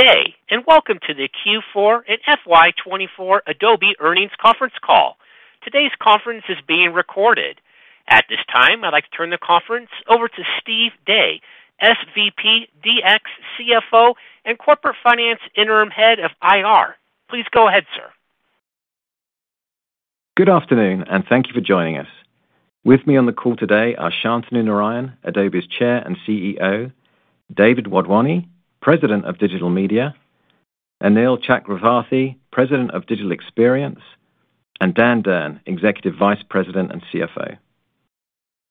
Good day, and welcome to the Q4 and FY24 Adobe Earnings Conference Call. Today's conference is being recorded. At this time, I'd like to turn the conference over to Steve Day, SVP, DX CFO, and Corporate Finance Interim Head of IR. Please go ahead, sir. Good afternoon, and thank you for joining us. With me on the call today are Shantanu Narayen, Adobe's Chair and CEO, David Wadhwani, President of Digital Media, Anil Chakravarthy, President of Digital Experience, and Dan Durn, Executive Vice President and CFO.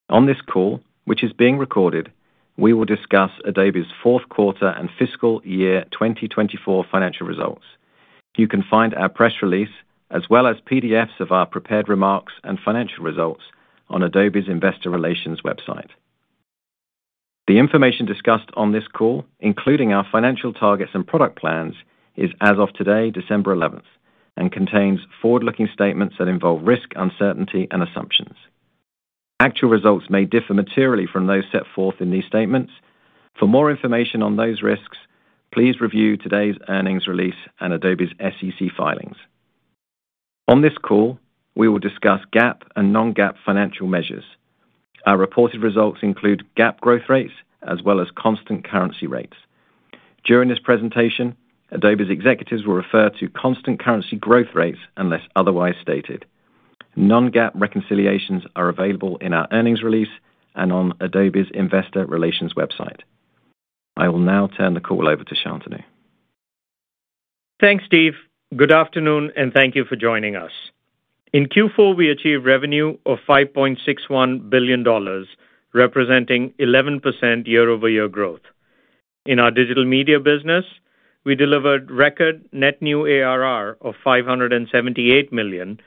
On this call, which is being recorded, we will discuss Adobe's fourth quarter and fiscal year 2024 financial results. You can find our press release as well as PDFs of our prepared remarks and financial results on Adobe's Investor Relations website. The information discussed on this call, including our financial targets and product plans, is as of today, December 11th, and contains forward-looking statements that involve risk, uncertainty, and assumptions. Actual results may differ materially from those set forth in these statements. For more information on those risks, please review today's earnings release and Adobe's SEC filings. On this call, we will discuss GAAP and non-GAAP financial measures. Our reported results include GAAP growth rates as well as constant currency rates. During this presentation, Adobe's executives will refer to constant currency growth rates unless otherwise stated. Non-GAAP reconciliations are available in our earnings release and on Adobe's Investor Relations website. I will now turn the call over to Shantanu. Thanks, Steve. Good afternoon, and thank you for joining us. In Q4, we achieved revenue of $5.61 billion, representing 11% year-over-year growth. In our Digital Media business, we delivered record net new ARR of $578 million.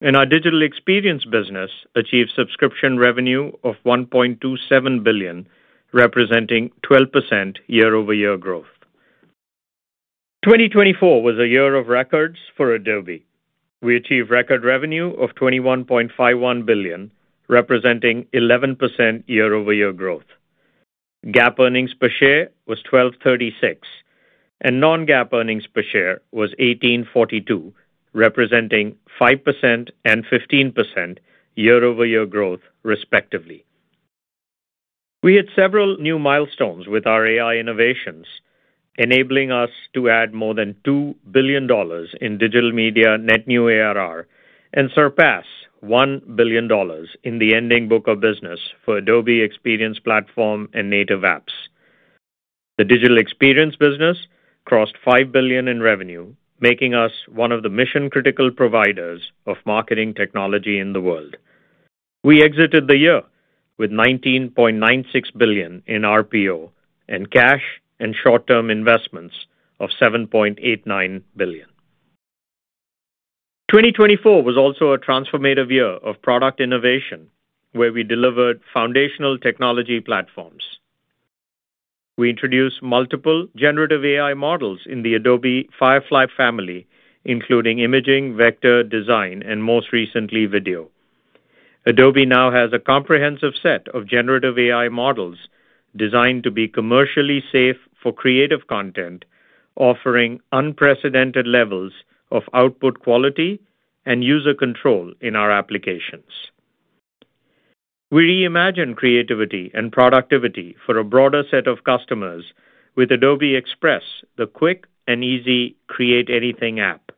In our Digital Experience business, we achieved subscription revenue of $1.27 billion, representing 12% year-over-year growth. 2024 was a year of records for Adobe. We achieved record revenue of $21.51 billion, representing 11% year-over-year growth. GAAP earnings per share was $12.36, and non-GAAP earnings per share was $18.42, representing 5% and 15% year-over-year growth, respectively. We hit several new milestones with our AI innovations, enabling us to add more than $2 billion in Digital Media net new ARR and surpass $1 billion in the ending book of business for Adobe Experience Platform and native apps. The Digital Experience business crossed $5 billion in revenue, making us one of the mission-critical providers of marketing technology in the world. We exited the year with $19.96 billion in RPO and cash and short-term investments of $7.89 billion. 2024 was also a transformative year of product innovation, where we delivered foundational technology platforms. We introduced multiple generative AI models in the Adobe Firefly family, including imaging, vector design, and most recently, video. Adobe now has a comprehensive set of generative AI models designed to be commercially safe for creative content, offering unprecedented levels of output quality and user control in our applications. We reimagined creativity and productivity for a broader set of customers with Adobe Express, the quick and easy create anything app.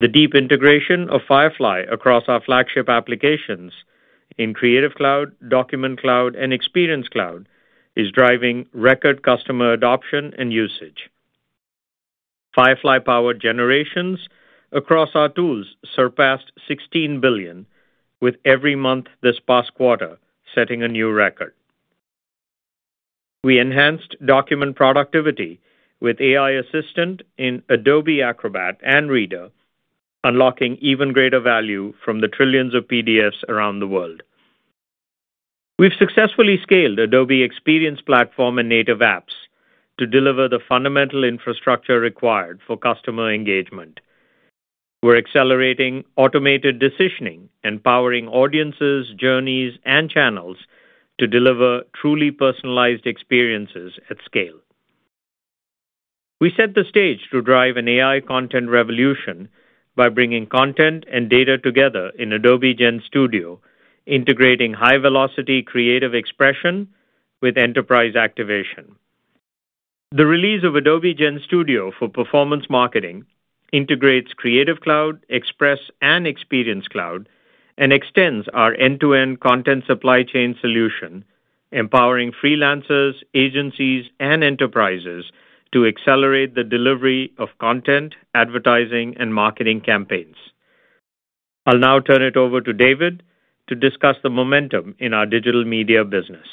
The deep integration of Firefly across our flagship applications in Creative Cloud, Document Cloud, and Experience Cloud is driving record customer adoption and usage. Firefly-powered generations across our tools surpassed $16 billion, with every month this past quarter setting a new record. We enhanced document productivity with AI Assistant in Adobe Acrobat and Reader, unlocking even greater value from the trillions of PDFs around the world. We've successfully scaled Adobe Experience Platform and native apps to deliver the fundamental infrastructure required for customer engagement. We're accelerating automated decisioning and powering audiences, journeys, and channels to deliver truly personalized experiences at scale. We set the stage to drive an AI content revolution by bringing content and data together in Adobe GenStudio, integrating high-velocity creative expression with enterprise activation. The release of Adobe Gen Studio for performance marketing integrates Creative Cloud, Express, and Experience Cloud and extends our end-to-end content supply chain solution, empowering freelancers, agencies, and enterprises to accelerate the delivery of content, advertising, and marketing campaigns. I'll now turn it over to David to discuss the momentum in our Digital Media business.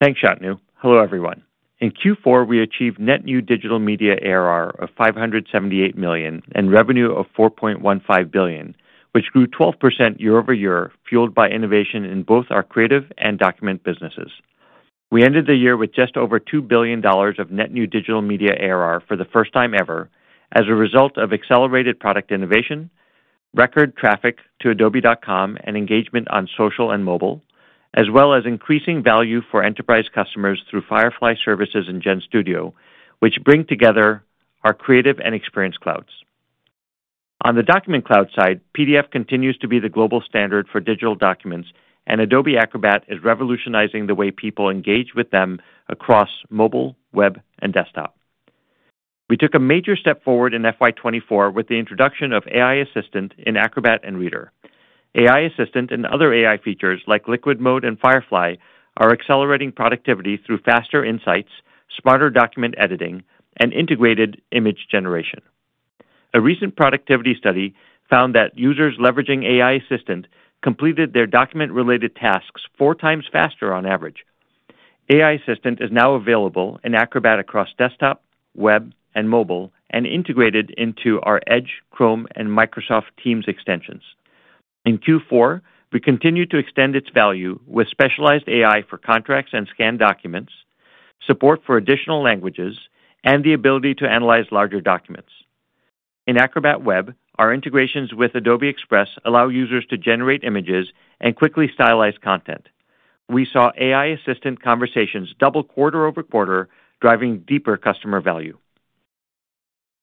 Thanks, Shantanu. Hello, everyone. In Q4, we achieved net new Digital Media ARR of $578 million and revenue of $4.15 billion, which grew 12% year-over-year, fueled by innovation in both our creative and document businesses. We ended the year with just over $2 billion of net new Digital Media ARR for the first time ever as a result of accelerated product innovation, record traffic to adobe.com and engagement on social and mobile, as well as increasing value for enterprise customers through Firefly Services in Gen Studio, which bring together our Creative and Experience Clouds. On the document cloud side, PDF continues to be the global standard for digital documents, and Adobe Acrobat is revolutionizing the way people engage with them across mobile, web, and desktop. We took a major step forward in FY24 with the introduction of AI Assistant in Acrobat and Reader. AI Assistant and other AI features like Liquid Mode and Firefly are accelerating productivity through faster insights, smarter document editing, and integrated image generation. A recent productivity study found that users leveraging AI Assistant completed their document-related tasks four times faster on average. AI Assistant is now available in Acrobat across desktop, web, and mobile, and integrated into our Edge, Chrome, and Microsoft Teams extensions. In Q4, we continue to extend its value with specialized AI for contracts and scanned documents, support for additional languages, and the ability to analyze larger documents. In Acrobat Web, our integrations with Adobe Express allow users to generate images and quickly stylize content. We saw AI Assistant conversations double quarter over quarter, driving deeper customer value.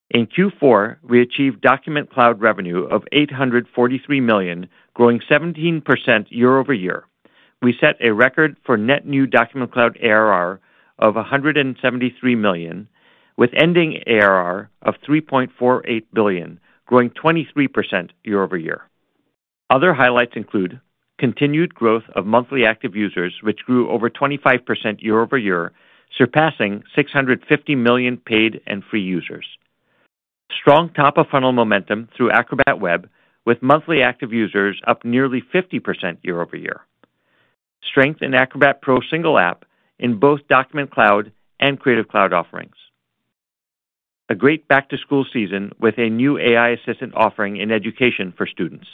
In Q4, we achieved Document Cloud revenue of $843 million, growing 17% year-over-year. We set a record for net new Document Cloud ARR of $173 million, with ending ARR of $3.48 billion, growing 23% year-over-year. Other highlights include continued growth of monthly active users, which grew over 25% year-over-year, surpassing 650 million paid and free users. Strong top-of-funnel momentum through Acrobat Web, with monthly active users up nearly 50% year-over-year. Strength in Acrobat Pro single app in both Document Cloud and Creative Cloud offerings. A great back-to-school season with a new AI Assistant offering in education for students.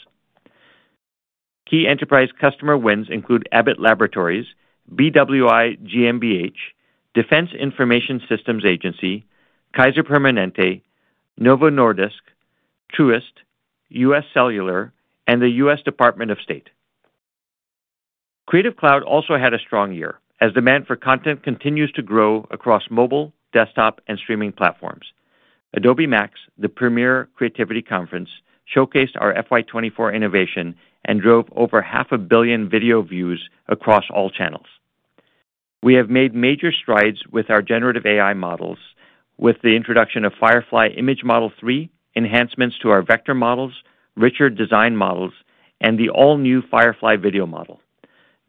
Key enterprise customer wins include Abbott Laboratories, BWI GmbH, Defense Information Systems Agency, Kaiser Permanente, Novo Nordisk, Truist, U.S. Cellular, and the U.S. Department of State. Creative Cloud also had a strong year as demand for content continues to grow across mobile, desktop, and streaming platforms. Adobe MAX, the premier creativity conference, showcased our FY24 innovation and drove over half a billion video views across all channels. We have made major strides with our generative AI models with the introduction of Firefly Image Model 3, enhancements to our vector models, raster design models, and the all-new Firefly Video Model.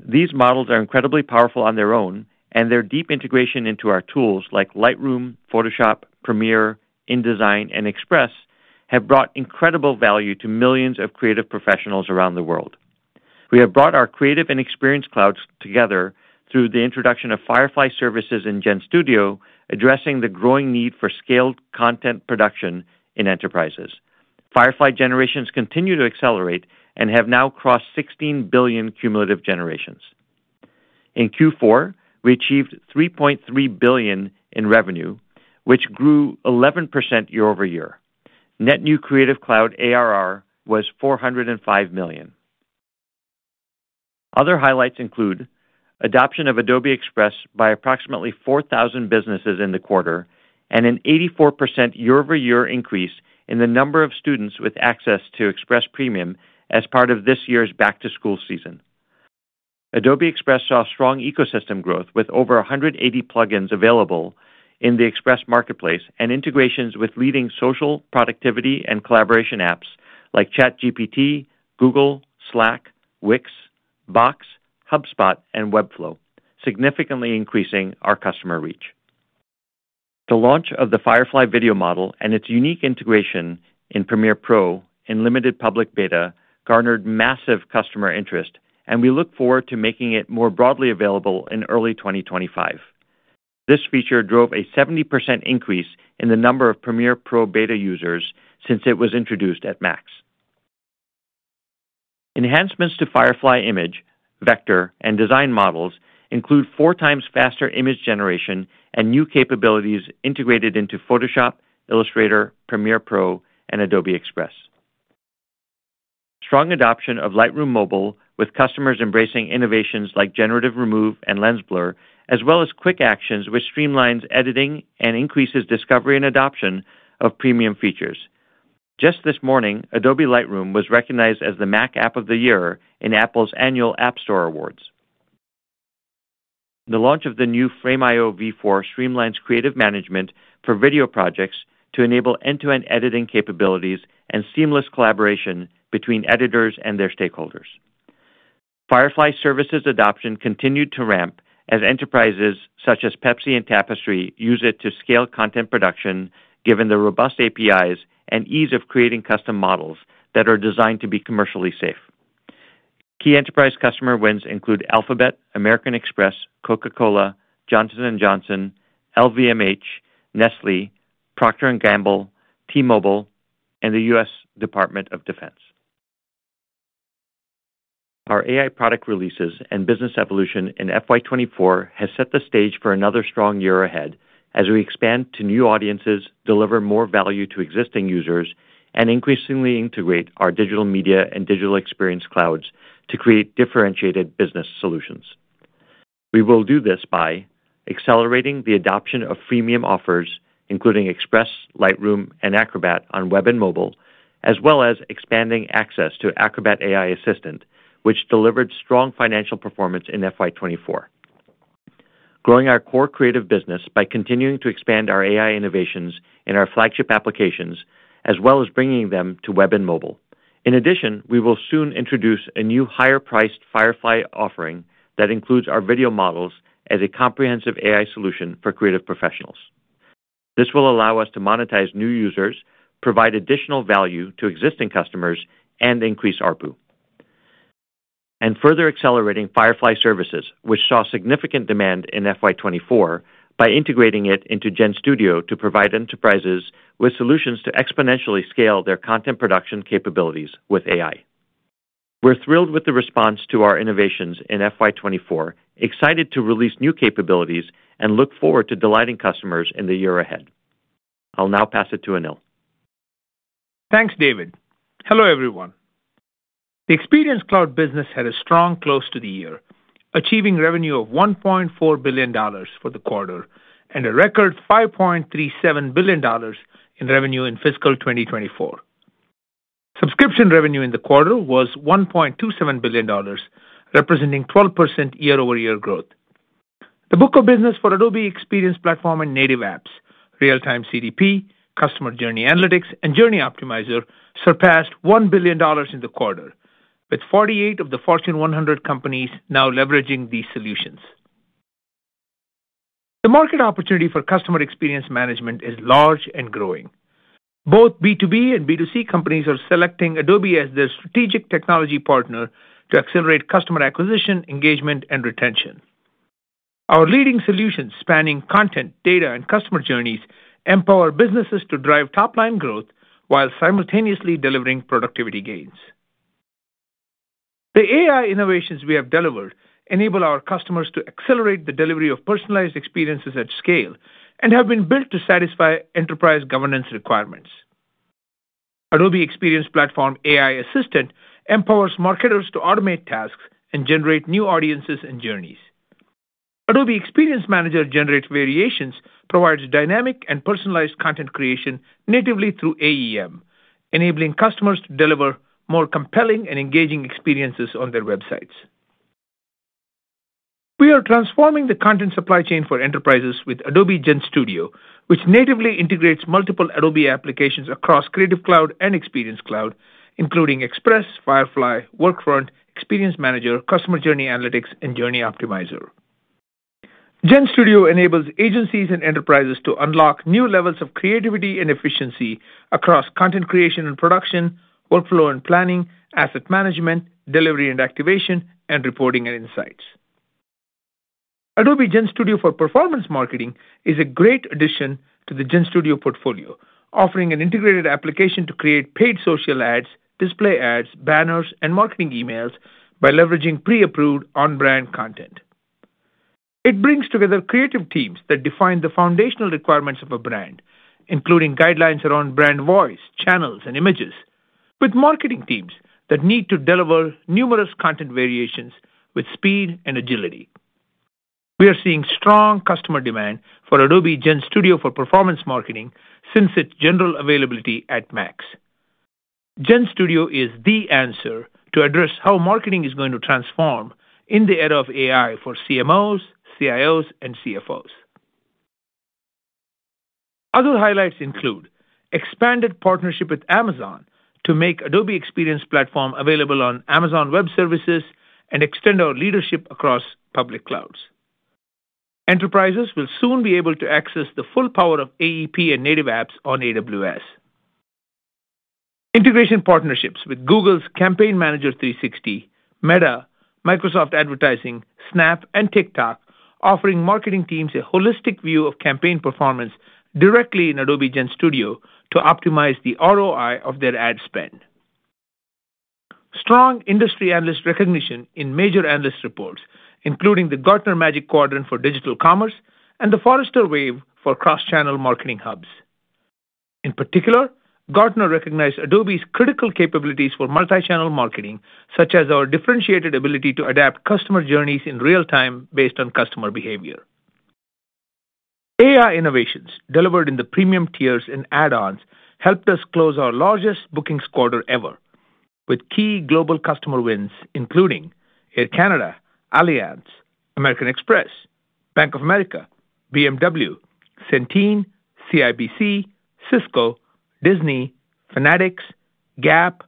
These models are incredibly powerful on their own, and their deep integration into our tools like Lightroom, Photoshop, Premiere, InDesign, and Express have brought incredible value to millions of creative professionals around the world. We have brought our creative and experience clouds together through the introduction of Firefly Services in Gen Studio, addressing the growing need for scaled content production in enterprises. Firefly generations continue to accelerate and have now crossed 16 billion cumulative generations. In Q4, we achieved $3.3 billion in revenue, which grew 11% year-over-year. Net new creative cloud ARR was $405 million. Other highlights include adoption of Adobe Express by approximately 4,000 businesses in the quarter and an 84% year-over-year increase in the number of students with access to Express Premium as part of this year's back-to-school season. Adobe Express saw strong ecosystem growth with over 180 plugins available in the Express Marketplace and integrations with leading social productivity and collaboration apps like ChatGPT, Google, Slack, Wix, Box, HubSpot, and Webflow, significantly increasing our customer reach. The launch of the Firefly Video model and its unique integration in Premiere Pro in limited public beta garnered massive customer interest, and we look forward to making it more broadly available in early 2025. This feature drove a 70% increase in the number of Premiere Pro beta users since it was introduced at MAX. Enhancements to Firefly Image, Vector, and Design models include four times faster image generation and new capabilities integrated into Photoshop, Illustrator, Premiere Pro, and Adobe Express. Strong adoption of Lightroom Mobile with customers embracing innovations like Generative Remove and Lens Blur, as well as Quick Actions which streamlines editing and increases discovery and adoption of premium features. Just this morning, Adobe Lightroom was recognized as the Mac App of the Year in Apple's annual App Store Awards. The launch of the new Frame.io V4 streamlines creative management for video projects to enable end-to-end editing capabilities and seamless collaboration between editors and their stakeholders. Firefly Services adoption continued to ramp as enterprises such as Pepsi and Tapestry use it to scale content production, given the robust APIs and ease of creating custom models that are designed to be commercially safe. Key enterprise customer wins include Alphabet, American Express, Coca-Cola, Johnson & Johnson, LVMH, Nestlé, Procter & Gamble, T-Mobile, and the U.S. Department of Defense. Our AI product releases and business evolution in FY24 has set the stage for another strong year ahead as we expand to new audiences, deliver more value to existing users, and increasingly integrate our Digital Media and Digital Experience clouds to create differentiated business solutions. We will do this by accelerating the adoption of freemium offers, including Express, Lightroom, and Acrobat on web and mobile, as well as expanding access to Acrobat AI Assistant, which delivered strong financial performance in FY24. Growing our core creative business by continuing to expand our AI innovations in our flagship applications, as well as bringing them to web and mobile. In addition, we will soon introduce a new higher-priced Firefly offering that includes our video models as a comprehensive AI solution for creative professionals. This will allow us to monetize new users, provide additional value to existing customers, and increase ARPU, and further accelerating Firefly services, which saw significant demand in FY24 by integrating it into Gen Studio to provide enterprises with solutions to exponentially scale their content production capabilities with AI. We're thrilled with the response to our innovations in FY24, excited to release new capabilities, and look forward to delighting customers in the year ahead. I'll now pass it to Anil. Thanks, David. Hello, everyone. The Experience Cloud business had a strong close to the year, achieving revenue of $1.4 billion for the quarter and a record $5.37 billion in revenue in fiscal 2024. Subscription revenue in the quarter was $1.27 billion, representing 12% year-over-year growth. The book of business for Adobe Experience Platform and native apps, Real-Time CDP, Customer Journey Analytics, and Journey Optimizer surpassed $1 billion in the quarter, with 48 of the Fortune 100 companies now leveraging these solutions. The market opportunity for customer experience management is large and growing. Both B2B and B2C companies are selecting Adobe as their strategic technology partner to accelerate customer acquisition, engagement, and retention. Our leading solutions spanning content, data, and customer journeys empower businesses to drive top-line growth while simultaneously delivering productivity gains. The AI innovations we have delivered enable our customers to accelerate the delivery of personalized experiences at scale and have been built to satisfy enterprise governance requirements. Adobe Experience Platform AI Assistant empowers marketers to automate tasks and generate new audiences and journeys. Adobe Experience Manager generates variations, provides dynamic and personalized content creation natively through AEM, enabling customers to deliver more compelling and engaging experiences on their websites. We are transforming the content supply chain for enterprises with Adobe Gen Studio, which natively integrates multiple Adobe applications across Creative Cloud and Experience Cloud, including Express, Firefly, Workfront, Experience Manager, Customer Journey Analytics, and Journey Optimizer. Gen Studio enables agencies and enterprises to unlock new levels of creativity and efficiency across content creation and production, workflow and planning, asset management, delivery and activation, and reporting and insights. Adobe Gen Studio for Performance Marketing is a great addition to the Gen Studio portfolio, offering an integrated application to create paid social ads, display ads, banners, and marketing emails by leveraging pre-approved on-brand content. It brings together creative teams that define the foundational requirements of a brand, including guidelines around brand voice, channels, and images, with marketing teams that need to deliver numerous content variations with speed and agility. We are seeing strong customer demand for Adobe Gen Studio for Performance Marketing since its general availability at MAX. Gen Studio is the answer to address how marketing is going to transform in the era of AI for CMOs, CIOs, and CFOs. Other highlights include expanded partnership with Amazon to make Adobe Experience Platform available on Amazon Web Services and extend our leadership across public clouds. Enterprises will soon be able to access the full power of AEP and native apps on AWS. Integration partnerships with Google's Campaign Manager 360, Meta, Microsoft Advertising, Snap, and TikTok offering marketing teams a holistic view of campaign performance directly in Adobe Gen Studio to optimize the ROI of their ad spend. Strong industry analyst recognition in major analyst reports, including the Gartner Magic Quadrant for Digital Commerce and the Forrester Wave for Cross-Channel Marketing Hubs. In particular, Gartner recognized Adobe's critical capabilities for multi-channel marketing, such as our differentiated ability to adapt customer journeys in real time based on customer behavior. AI innovations delivered in the premium tiers and add-ons helped us close our largest bookings quarter ever, with key global customer wins including Air Canada, Allianz, American Express, Bank of America, BMW, Centene, CIBC, Cisco, Disney, Fanatics, Gap,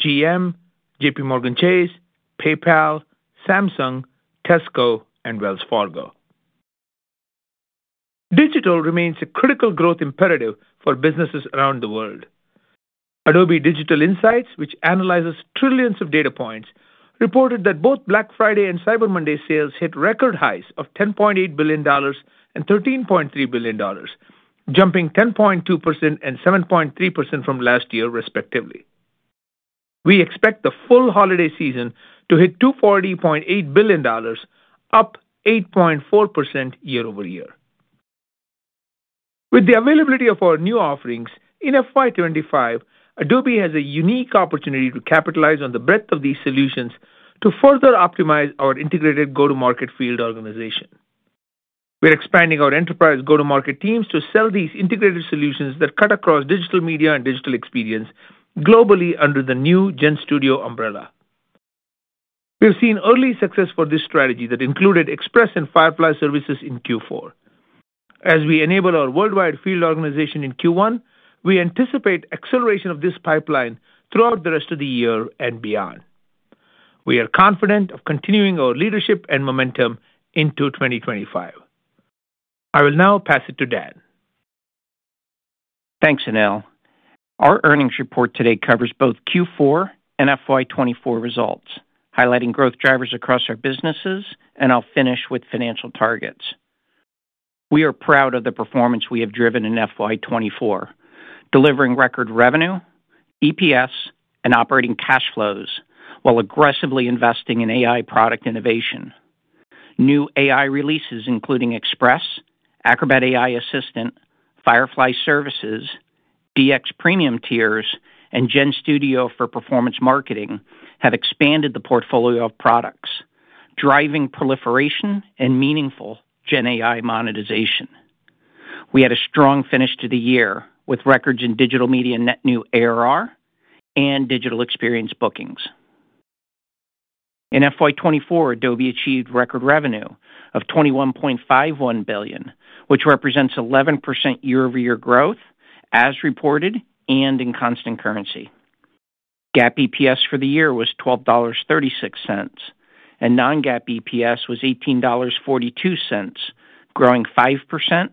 GM, JPMorgan Chase, PayPal, Samsung, Tesco, and Wells Fargo. Digital remains a critical growth imperative for businesses around the world. Adobe Digital Insights, which analyzes trillions of data points, reported that both Black Friday and Cyber Monday sales hit record highs of $10.8 billion and $13.3 billion, jumping 10.2% and 7.3% from last year, respectively. We expect the full holiday season to hit $240.8 billion, up 8.4% year-over-year. With the availability of our new offerings in FY25, Adobe has a unique opportunity to capitalize on the breadth of these solutions to further optimize our integrated go-to-market field organization. We're expanding our enterprise go-to-market teams to sell these integrated solutions that cut across Digital Media and Digital Experience globally under the new GenStudio umbrella. We've seen early success for this strategy that included Express and Firefly services in Q4. As we enable our worldwide field organization in Q1, we anticipate acceleration of this pipeline throughout the rest of the year and beyond. We are confident of continuing our leadership and momentum into 2025. I will now pass it to Dan. Thanks, Anil. Our earnings report today covers both Q4 and FY24 results, highlighting growth drivers across our businesses, and I'll finish with financial targets. We are proud of the performance we have driven in FY24, delivering record revenue, EPS, and operating cash flows while aggressively investing in AI product innovation. New AI releases, including Express, Acrobat AI Assistant, Firefly Services, DX Premium tiers, and Gen Studio for performance marketing, have expanded the portfolio of products, driving proliferation and meaningful Gen AI monetization. We had a strong finish to the year with records in Digital Media net new ARR and Digital Experience bookings. In FY24, Adobe achieved record revenue of $21.51 billion, which represents 11% year-over-year growth as reported and in constant currency. GAAP EPS for the year was $12.36, and non-GAAP EPS was $18.42, growing 5%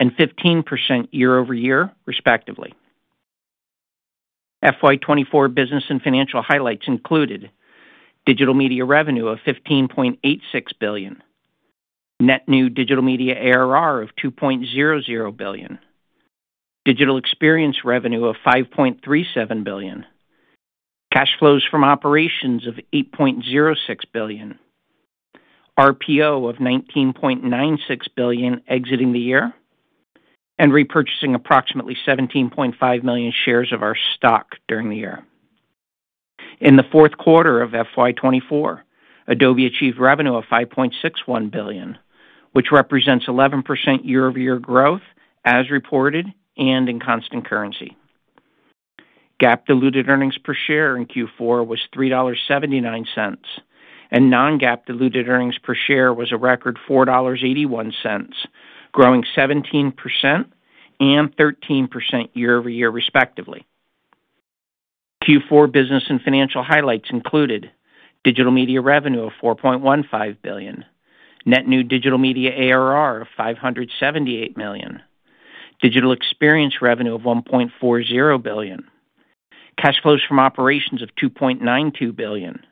and 15% year-over-year, respectively. FY24 business and financial highlights included Digital Media revenue of $15.86 billion, net new Digital Media ARR of $2.00 billion, Digital Experience revenue of $5.37 billion, cash flows from operations of $8.06 billion, RPO of $19.96 billion exiting the year, and repurchasing approximately 17.5 million shares of our stock during the year. In the fourth quarter of FY24, Adobe achieved revenue of $5.61 billion, which represents 11% year-over-year growth as reported and in constant currency. GAAP diluted earnings per share in Q4 was $3.79, and non-GAAP diluted earnings per share was a record $4.81, growing 17% and 13% year-over-year, respectively. Q4 business and financial highlights included Digital Media revenue of $4.15 billion, net new Digital Media ARR of $578 million, Digital Experience revenue of $1.40 billion, cash flows from operations of $2.92 billion,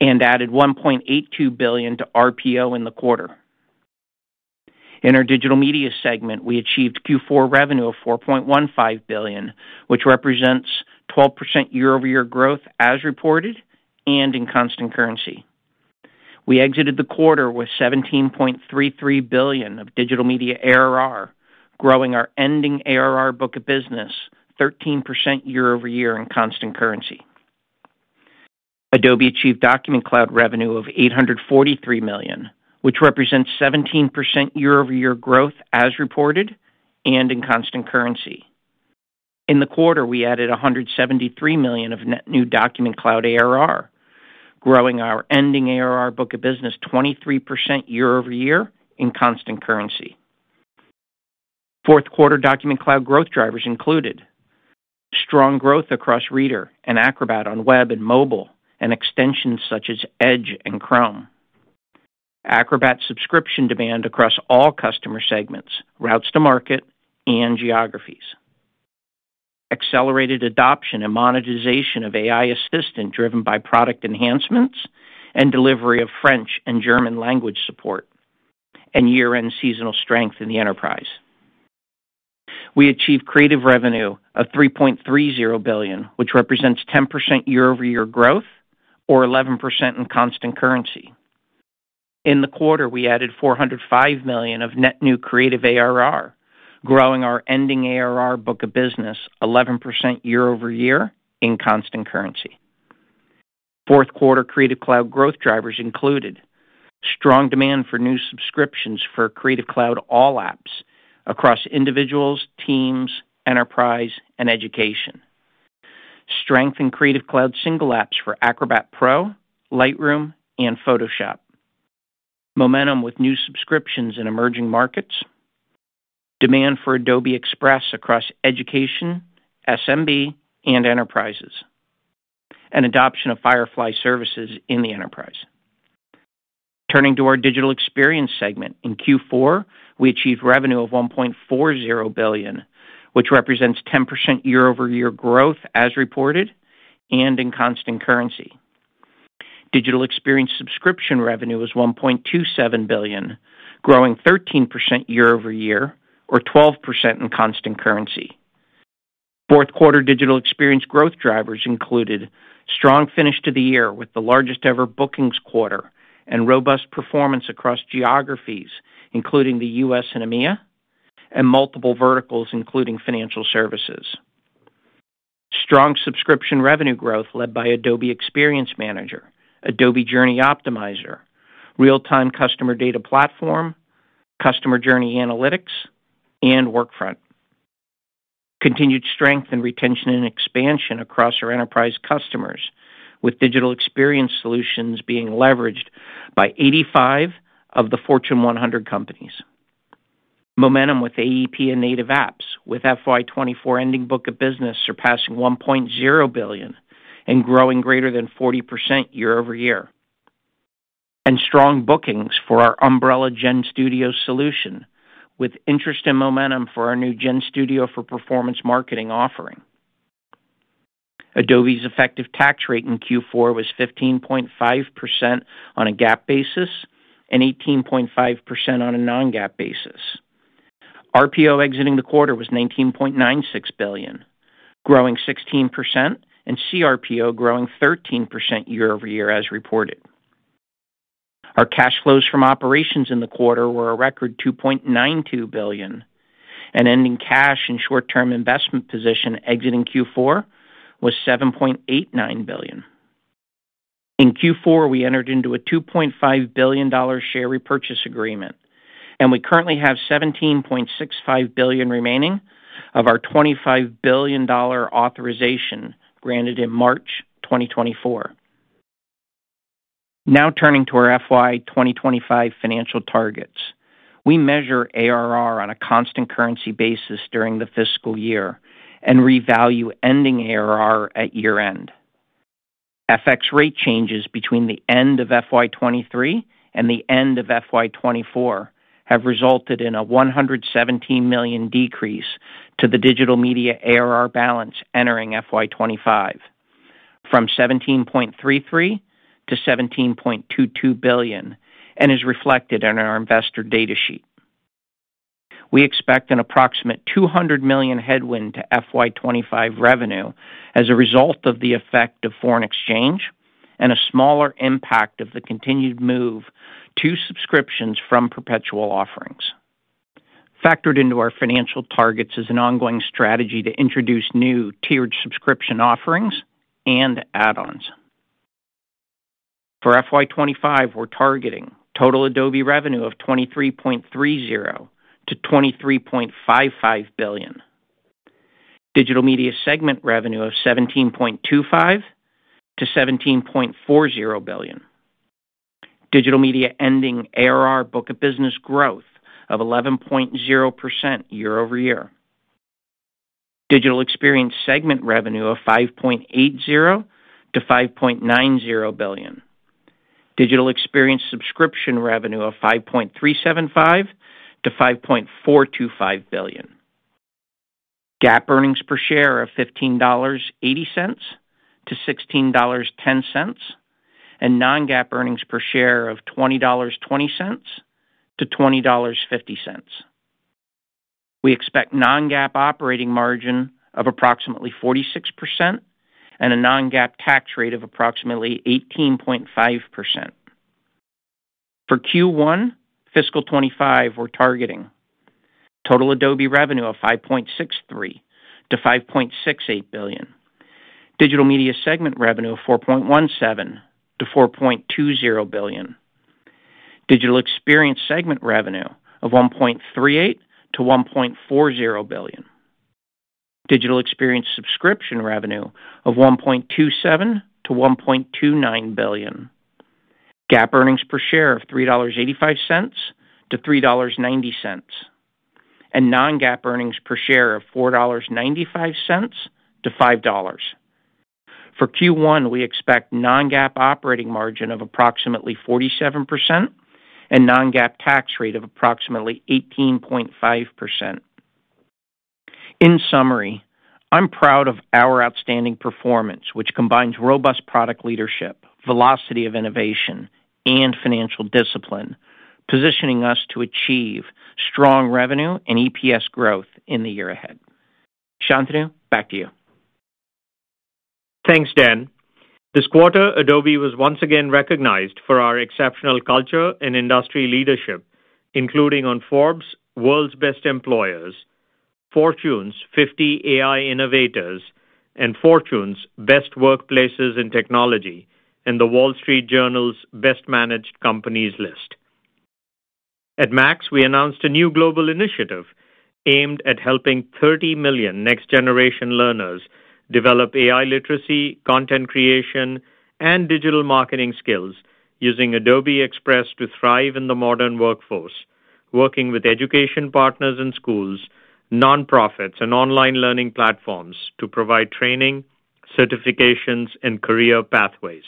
and added $1.82 billion to RPO in the quarter. In our Digital Media segment, we achieved Q4 revenue of $4.15 billion, which represents 12% year-over-year growth as reported and in constant currency. We exited the quarter with $17.33 billion of Digital Media ARR, growing our ending ARR book of business 13% year-over-year in constant currency. Adobe achieved Document Cloud revenue of $843 million, which represents 17% year-over-year growth as reported and in constant currency. In the quarter, we added $173 million of net new Document Cloud ARR, growing our ending ARR book of business 23% year-over-year in constant currency. Fourth quarter Document Cloud growth drivers included strong growth across Reader and Acrobat on web and mobile and extensions such as Edge and Chrome. Acrobat subscription demand across all customer segments, routes to market, and geographies. Accelerated adoption and monetization of AI Assistant driven by product enhancements and delivery of French and German language support, and year-end seasonal strength in the enterprise. We achieved creative revenue of $3.30 billion, which represents 10% year-over-year growth or 11% in constant currency. In the quarter, we added $405 million of net new creative ARR, growing our ending ARR book of business 11% year-over-year in constant currency. Fourth quarter Creative Cloud growth drivers included strong demand for new subscriptions for Creative Cloud All Apps across individuals, teams, enterprise, and education. Strength in Creative Cloud single apps for Acrobat Pro, Lightroom, and Photoshop. Momentum with new subscriptions in emerging markets. Demand for Adobe Express across education, SMB, and enterprises. And adoption of Firefly Services in the enterprise. Turning to our Digital Experience segment, in Q4, we achieved revenue of $1.40 billion, which represents 10% year-over-year growth as reported and in constant currency. Digital Experience subscription revenue was $1.27 billion, growing 13% year-over-year or 12% in constant currency. Fourth quarter Digital Experience growth drivers included strong finish to the year with the largest-ever bookings quarter and robust performance across geographies, including the US and EMEA, and multiple verticals including financial services. Strong subscription revenue growth led by Adobe Experience Manager, Adobe Journey Optimizer, Real-Time Customer Data Platform, Customer Journey Analytics, and Workfront. Continued strength and retention and expansion across our enterprise customers, with Digital Experience solutions being leveraged by 85 of the Fortune 100 companies. Momentum with AEP and native apps, with FY24 ending book of business surpassing $1.00 billion and growing greater than 40% year-over-year. Strong bookings for our umbrella Gen Studio solution, with interest and momentum for our new Gen Studio for Performance Marketing offering. Adobe's effective tax rate in Q4 was 15.5% on a GAAP basis and 18.5% on a non-GAAP basis. RPO exiting the quarter was $19.96 billion, growing 16%, and CRPO growing 13% year-over-year as reported. Our cash flows from operations in the quarter were a record $2.92 billion, and ending cash and short-term investment position exiting Q4 was $7.89 billion. In Q4, we entered into a $2.5 billion share repurchase agreement, and we currently have $17.65 billion remaining of our $25 billion authorization granted in March 2024. Now turning to our FY2025 financial targets, we measure ARR on a constant currency basis during the fiscal year and revalue ending ARR at year-end. FX rate changes between the end of FY23 and the end of FY24 have resulted in a $117 million decrease to the Digital Media ARR balance entering FY25, from $17.33-$17.22 billion, and is reflected on our investor data sheet. We expect an approximate $200 million headwind to FY25 revenue as a result of the effect of foreign exchange and a smaller impact of the continued move to subscriptions from perpetual offerings. Factored into our financial targets is an ongoing strategy to introduce new tiered subscription offerings and add-ons. For FY25, we're targeting total Adobe revenue of $23.30-$23.55 billion, Digital Media segment revenue of $17.25-$17.40 billion, Digital Media ending ARR book of business growth of 11.0% year-over-year, Digital Experience segment revenue of $5.80-$5.90 billion, Digital Experience subscription revenue of $5.375-$5.425 billion. GAAP earnings per share of $15.80-$16.10, and non-GAAP earnings per share of $20.20-$20.50. We expect non-GAAP operating margin of approximately 46% and a non-GAAP tax rate of approximately 18.5%. For Q1 fiscal 2025, we're targeting total Adobe revenue of $5.63-$5.68 billion, Digital Media segment revenue of $4.17-$4.20 billion, Digital Experience segment revenue of $1.38-$1.40 billion, Digital Experience subscription revenue of $1.27-$1.29 billion, GAAP earnings per share of $3.85-$3.90, and non-GAAP earnings per share of $4.95-$5. For Q1, we expect non-GAAP operating margin of approximately 47% and non-GAAP tax rate of approximately 18.5%. In summary, I'm proud of our outstanding performance, which combines robust product leadership, velocity of innovation, and financial discipline, positioning us to achieve strong revenue and EPS growth in the year ahead. Shantanu, back to you. Thanks, Dan. This quarter, Adobe was once again recognized for our exceptional culture and industry leadership, including on Forbes' World's Best Employers, Fortune's 50 AI Innovators, and Fortune's Best Workplaces in Technology and The Wall Street Journal's Best Managed Companies list. At MAX, we announced a new global initiative aimed at helping 30 million next-generation learners develop AI literacy, content creation, and digital marketing skills using Adobe Express to thrive in the modern workforce, working with education partners and schools, nonprofits, and online learning platforms to provide training, certifications, and career pathways.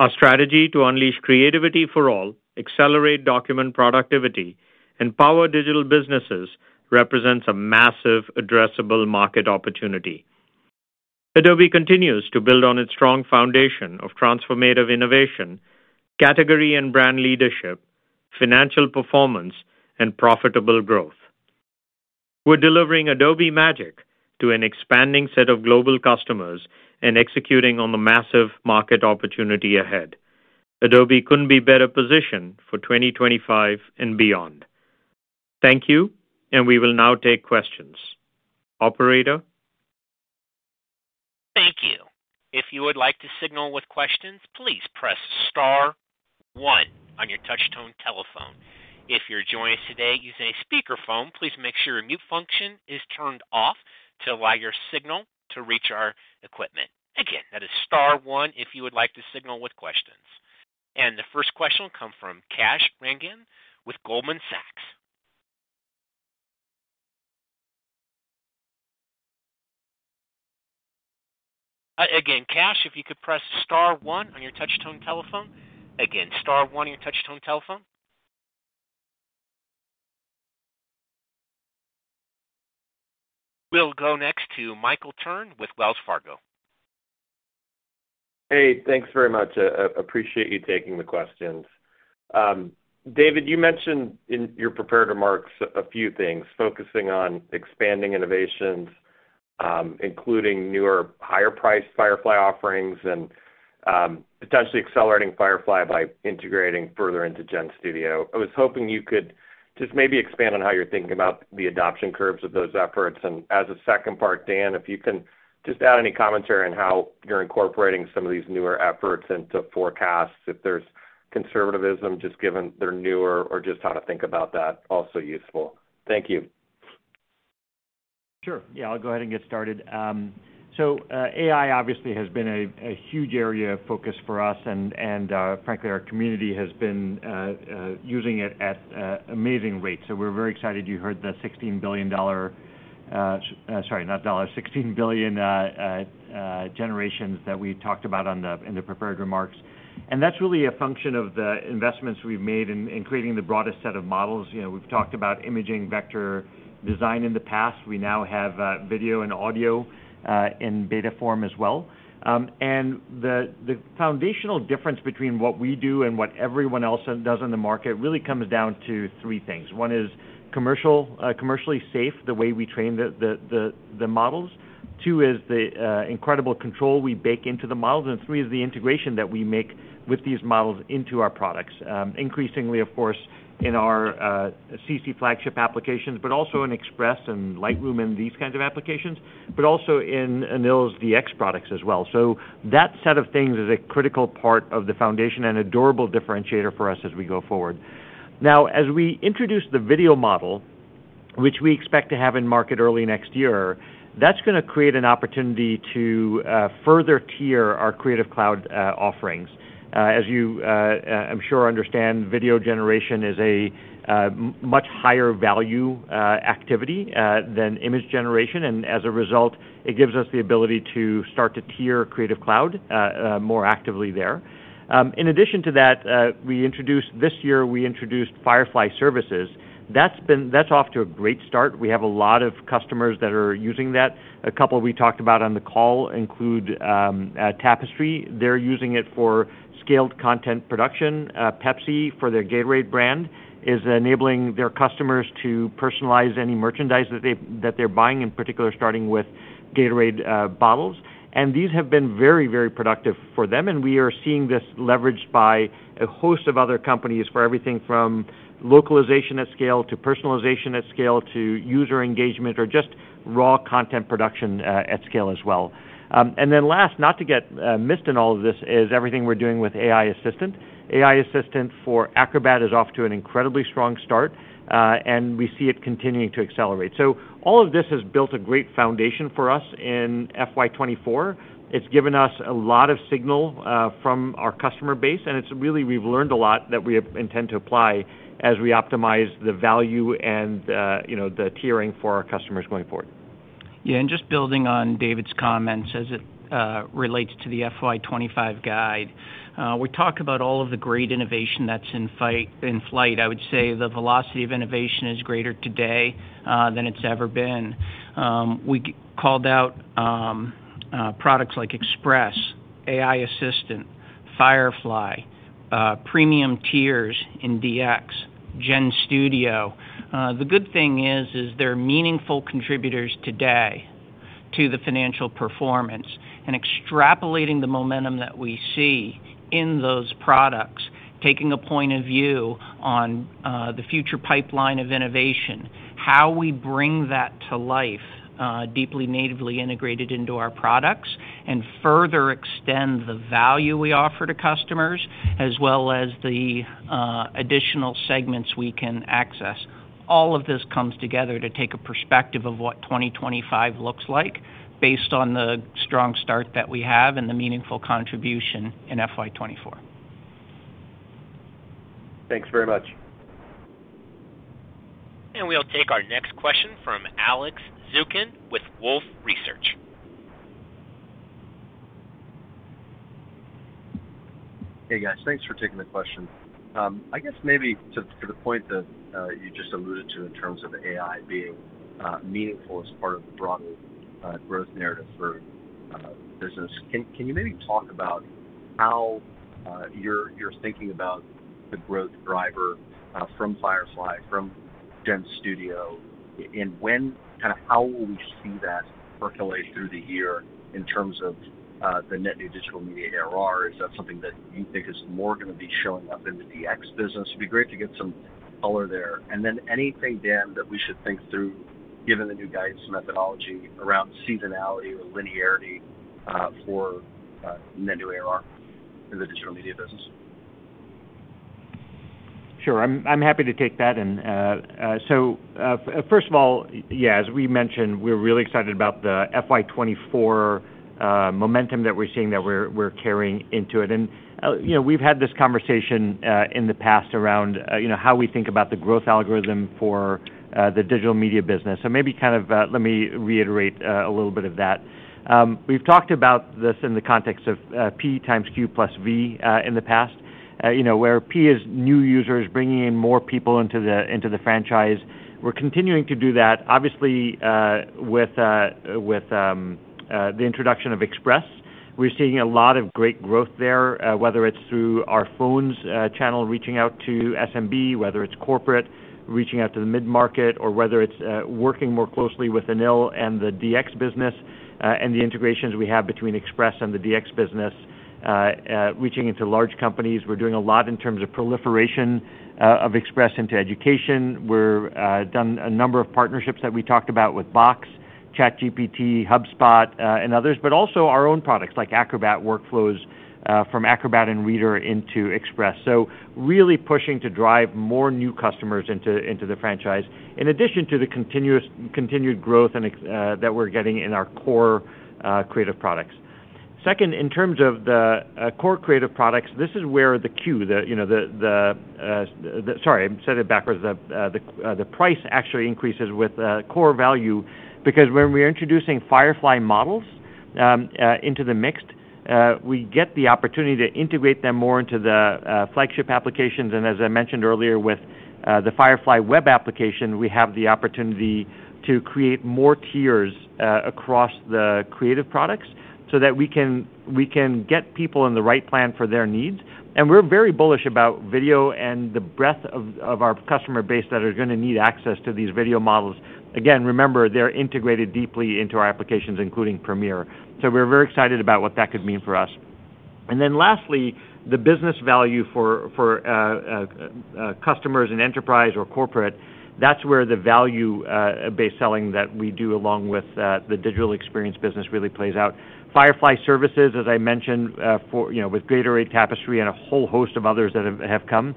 Our strategy to unleash creativity for all, accelerate document productivity, and power digital businesses represents a massive, addressable market opportunity. Adobe continues to build on its strong foundation of transformative innovation, category and brand leadership, financial performance, and profitable growth. We're delivering Adobe Magic to an expanding set of global customers and executing on the massive market opportunity ahead. Adobe couldn't be better positioned for 2025 and beyond. Thank you, and we will now take questions. Operator. Thank you. If you would like to signal with questions, please press Star 1 on your touch-tone telephone. If you're joining us today using a speakerphone, please make sure your mute function is turned off to allow your signal to reach our equipment. Again, that is Star 1 if you would like to signal with questions, and the first question will come from Kash Rangan with Goldman Sachs. Again, Kash, if you could press Star 1 on your touch-tone telephone. Again, Star 1 on your touch-tone telephone. We'll go next to Michael Turrin with Wells Fargo. Hey, thanks very much. I appreciate you taking the questions. David, you mentioned in your prepared remarks a few things focusing on expanding innovations, including newer, higher-priced Firefly offerings and potentially accelerating Firefly by integrating further into GenStudio. I was hoping you could just maybe expand on how you're thinking about the adoption curves of those efforts. And as a second part, Dan, if you can just add any commentary on how you're incorporating some of these newer efforts into forecasts, if there's conservatism just given they're newer or just how to think about that, also useful. Thank you. Sure. Yeah, I'll go ahead and get started. So AI obviously has been a huge area of focus for us, and frankly, our community has been using it at amazing rates. So we're very excited you heard the $16 billion - sorry, not dollars, $16 billion generations that we talked about in the prepared remarks. And that's really a function of the investments we've made in creating the broadest set of models. We've talked about imaging vector design in the past. We now have video and audio in beta form as well. And the foundational difference between what we do and what everyone else does in the market really comes down to three things. One is commercially safe, the way we train the models. Two is the incredible control we bake into the models. And three is the integration that we make with these models into our products, increasingly, of course, in our CC flagship applications, but also in Express and Lightroom and these kinds of applications, but also in Anil's DX products as well. So that set of things is a critical part of the foundation and a durable differentiator for us as we go forward. Now, as we introduce the video model, which we expect to have in market early next year, that's going to create an opportunity to further tier our Creative Cloud offerings. As you, I'm sure, understand, video generation is a much higher value activity than image generation. And as a result, it gives us the ability to start to tier Creative Cloud more actively there. In addition to that, this year, we introduced Firefly Services. That's off to a great start. We have a lot of customers that are using that. A couple we talked about on the call include Tapestry. They're using it for scaled content production. Pepsi, for their Gatorade brand, is enabling their customers to personalize any merchandise that they're buying, in particular, starting with Gatorade bottles. And these have been very, very productive for them. And we are seeing this leveraged by a host of other companies for everything from localization at scale to personalization at scale to user engagement or just raw content production at scale as well. And then last, not to get missed in all of this, is everything we're doing with AI Assistant. AI Assistant for Acrobat is off to an incredibly strong start, and we see it continuing to accelerate. So all of this has built a great foundation for us in FY24. It's given us a lot of signal from our customer base, and it's really, we've learned a lot that we intend to apply as we optimize the value and the tiering for our customers going forward. Yeah, and just building on David's comments as it relates to the FY25 guide, we talk about all of the great innovation that's in flight. I would say the velocity of innovation is greater today than it's ever been. We called out products like Express, AI Assistant, Firefly, premium tiers in DX, GenStudio. The good thing is they're meaningful contributors today to the financial performance and extrapolating the momentum that we see in those products, taking a point of view on the future pipeline of innovation, how we bring that to life, deeply natively integrated into our products, and further extend the value we offer to customers as well as the additional segments we can access. All of this comes together to take a perspective of what 2025 looks like based on the strong start that we have and the meaningful contribution in FY24. Thanks very much. We'll take our next question from Alex Zukin with Wolfe Research. Hey, guys. Thanks for taking the question. I guess maybe to the point that you just alluded to in terms of AI being meaningful as part of the broader growth narrative for business, can you maybe talk about how you're thinking about the growth driver from Firefly, from Gen Studio, and when kind of how will we see that percolate through the year in terms of the net new Digital Media ARR? Is that something that you think is more going to be showing up in the DX business? It'd be great to get some color there. And then anything, Dan, that we should think through given the new guidance methodology around seasonality or linearity for net new ARR in the Digital Media business? Sure. I'm happy to take that in. So first of all, yeah, as we mentioned, we're really excited about the FY24 momentum that we're seeing that we're carrying into it, and we've had this conversation in the past around how we think about the growth algorithm for the Digital Media business, so maybe kind of let me reiterate a little bit of that. We've talked about this in the context of P times Q plus V in the past, where P is new users bringing in more people into the franchise. We're continuing to do that, obviously, with the introduction of Express. We're seeing a lot of great growth there, whether it's through our phones channel reaching out to SMB, whether it's corporate reaching out to the mid-market, or whether it's working more closely with Anil and the DX business and the integrations we have between Express and the DX business reaching into large companies. We're doing a lot in terms of proliferation of Express into education. We've done a number of partnerships that we talked about with Box, ChatGPT, HubSpot, and others, but also our own products like Acrobat workflows from Acrobat and Reader into Express. So really pushing to drive more new customers into the franchise, in addition to the continued growth that we're getting in our core creative products. Second, in terms of the core creative products, this is where the price actually increases with core value because when we're introducing Firefly models into the mix, we get the opportunity to integrate them more into the flagship applications. And as I mentioned earlier, with the Firefly web application, we have the opportunity to create more tiers across the creative products so that we can get people in the right plan for their needs. And we're very bullish about video and the breadth of our customer base that are going to need access to these video models. Again, remember, they're integrated deeply into our applications, including Premiere. So we're very excited about what that could mean for us. And then lastly, the business value for customers in enterprise or corporate, that's where the value-based selling that we do along with the Digital Experience business really plays out. Firefly Services, as I mentioned, with Gatorade, Tapestry, and a whole host of others that have come,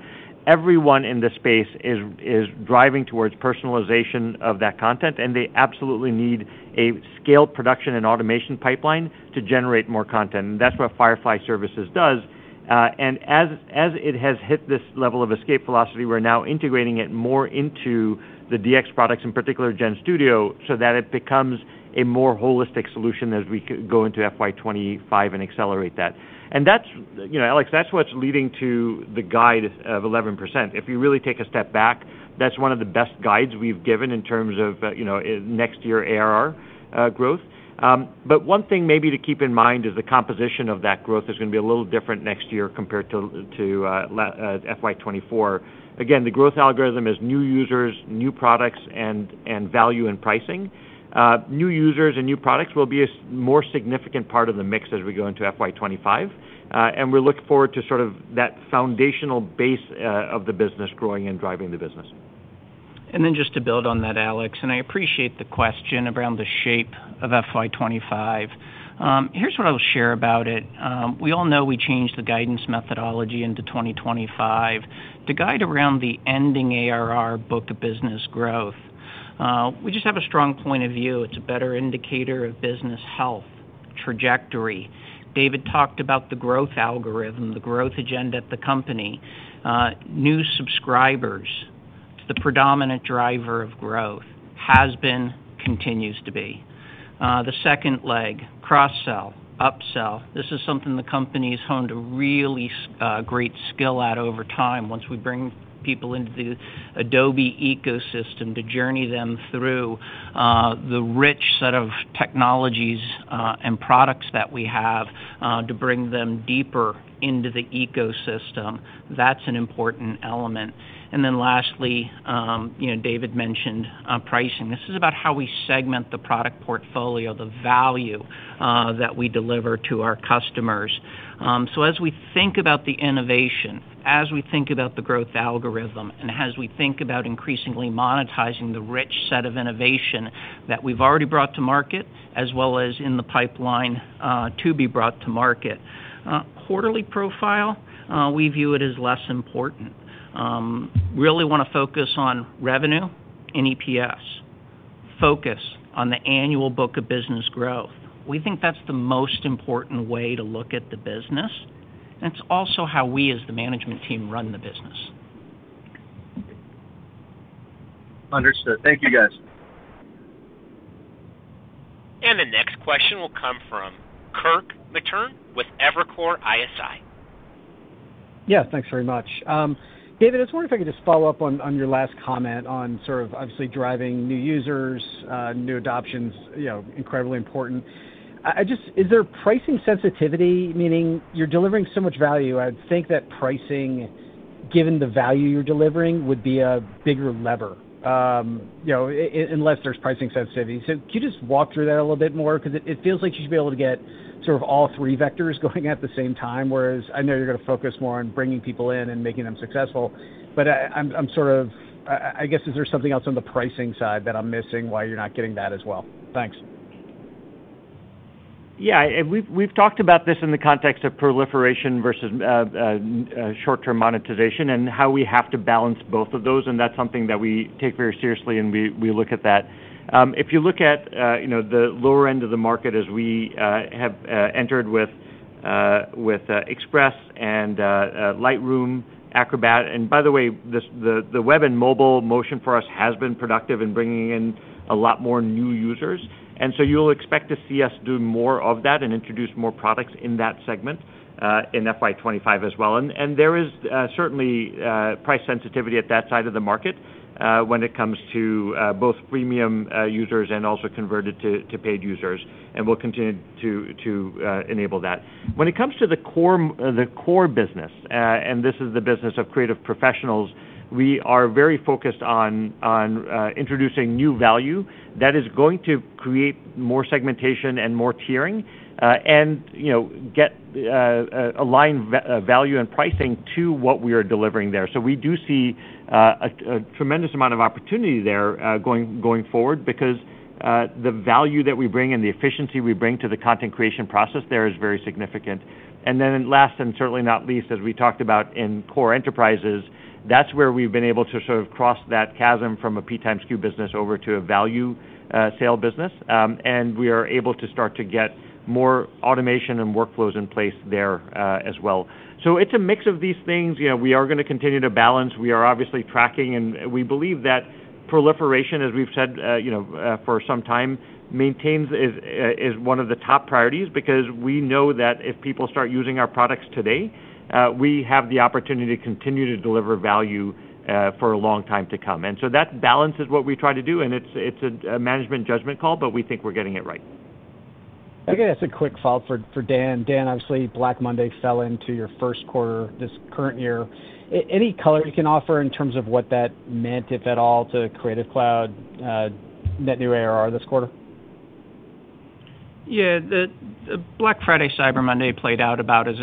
everyone in this space is driving towards personalization of that content, and they absolutely need a scaled production and automation pipeline to generate more content. And that's what Firefly Services does. And as it has hit this level of escape velocity, we're now integrating it more into the DX products, in particular, Gen Studio, so that it becomes a more holistic solution as we go into FY25 and accelerate that. And Alex, that's what's leading to the guide of 11%. If you really take a step back, that's one of the best guides we've given in terms of next year ARR growth. But one thing maybe to keep in mind is the composition of that growth is going to be a little different next year compared to FY24. Again, the growth algorithm is new users, new products, and value and pricing. New users and new products will be a more significant part of the mix as we go into FY25. And we're looking forward to sort of that foundational base of the business growing and driving the business. And then, just to build on that, Alex, and I appreciate the question around the shape of FY25. Here's what I'll share about it. We all know we changed the guidance methodology into 2025. To guide around the ending ARR book of business growth, we just have a strong point of view. It's a better indicator of business health trajectory. David talked about the growth algorithm, the growth agenda at the company. New subscribers are the predominant driver of growth, has been, continues to be. The second leg, cross-sell, upsell. This is something the company has honed a really great skill at over time once we bring people into the Adobe ecosystem to journey them through the rich set of technologies and products that we have to bring them deeper into the ecosystem. That's an important element. And then lastly, David mentioned pricing. This is about how we segment the product portfolio, the value that we deliver to our customers. So as we think about the innovation, as we think about the growth algorithm, and as we think about increasingly monetizing the rich set of innovation that we've already brought to market, as well as in the pipeline to be brought to market, quarterly profile, we view it as less important. We really want to focus on revenue and EPS. Focus on the annual book of business growth. We think that's the most important way to look at the business, and it's also how we, as the management team, run the business. Understood. Thank you, guys. The next question will come from Kirk Materne with Evercore ISI. Yeah, thanks very much. David, I just wonder if I could just follow up on your last comment on sort of obviously driving new users, new adoptions, incredibly important. Is there pricing sensitivity, meaning you're delivering so much value? I would think that pricing, given the value you're delivering, would be a bigger lever unless there's pricing sensitivity. So can you just walk through that a little bit more? Because it feels like you should be able to get sort of all three vectors going at the same time, whereas I know you're going to focus more on bringing people in and making them successful. But I'm sort of, I guess, is there something else on the pricing side that I'm missing why you're not getting that as well? Thanks. Yeah, we've talked about this in the context of proliferation versus short-term monetization and how we have to balance both of those. And that's something that we take very seriously, and we look at that. If you look at the lower end of the market as we have entered with Express and Lightroom, Acrobat, and by the way, the web and mobile motion for us has been productive in bringing in a lot more new users. And so you'll expect to see us do more of that and introduce more products in that segment in FY25 as well. And there is certainly price sensitivity at that side of the market when it comes to both premium users and also converted to paid users. And we'll continue to enable that. When it comes to the core business, and this is the business of creative professionals, we are very focused on introducing new value that is going to create more segmentation and more tiering and align value and pricing to what we are delivering there. So we do see a tremendous amount of opportunity there going forward because the value that we bring and the efficiency we bring to the content creation process there is very significant. And then last, and certainly not least, as we talked about in core enterprises, that's where we've been able to sort of cross that chasm from a P times Q business over to a value sale business. And we are able to start to get more automation and workflows in place there as well. So it's a mix of these things. We are going to continue to balance. We are obviously tracking, and we believe that proliferation, as we've said for some time, is one of the top priorities because we know that if people start using our products today, we have the opportunity to continue to deliver value for a long time to come, and so that balance is what we try to do, and it's a management judgment call, but we think we're getting it right. Again, that's a quick follow-up for Dan. Dan, obviously, Black Friday fell into your first quarter this current year. Any color you can offer in terms of what that meant, if at all, to Creative Cloud, net new ARR this quarter? Yeah, Black Friday, Cyber Monday played out about as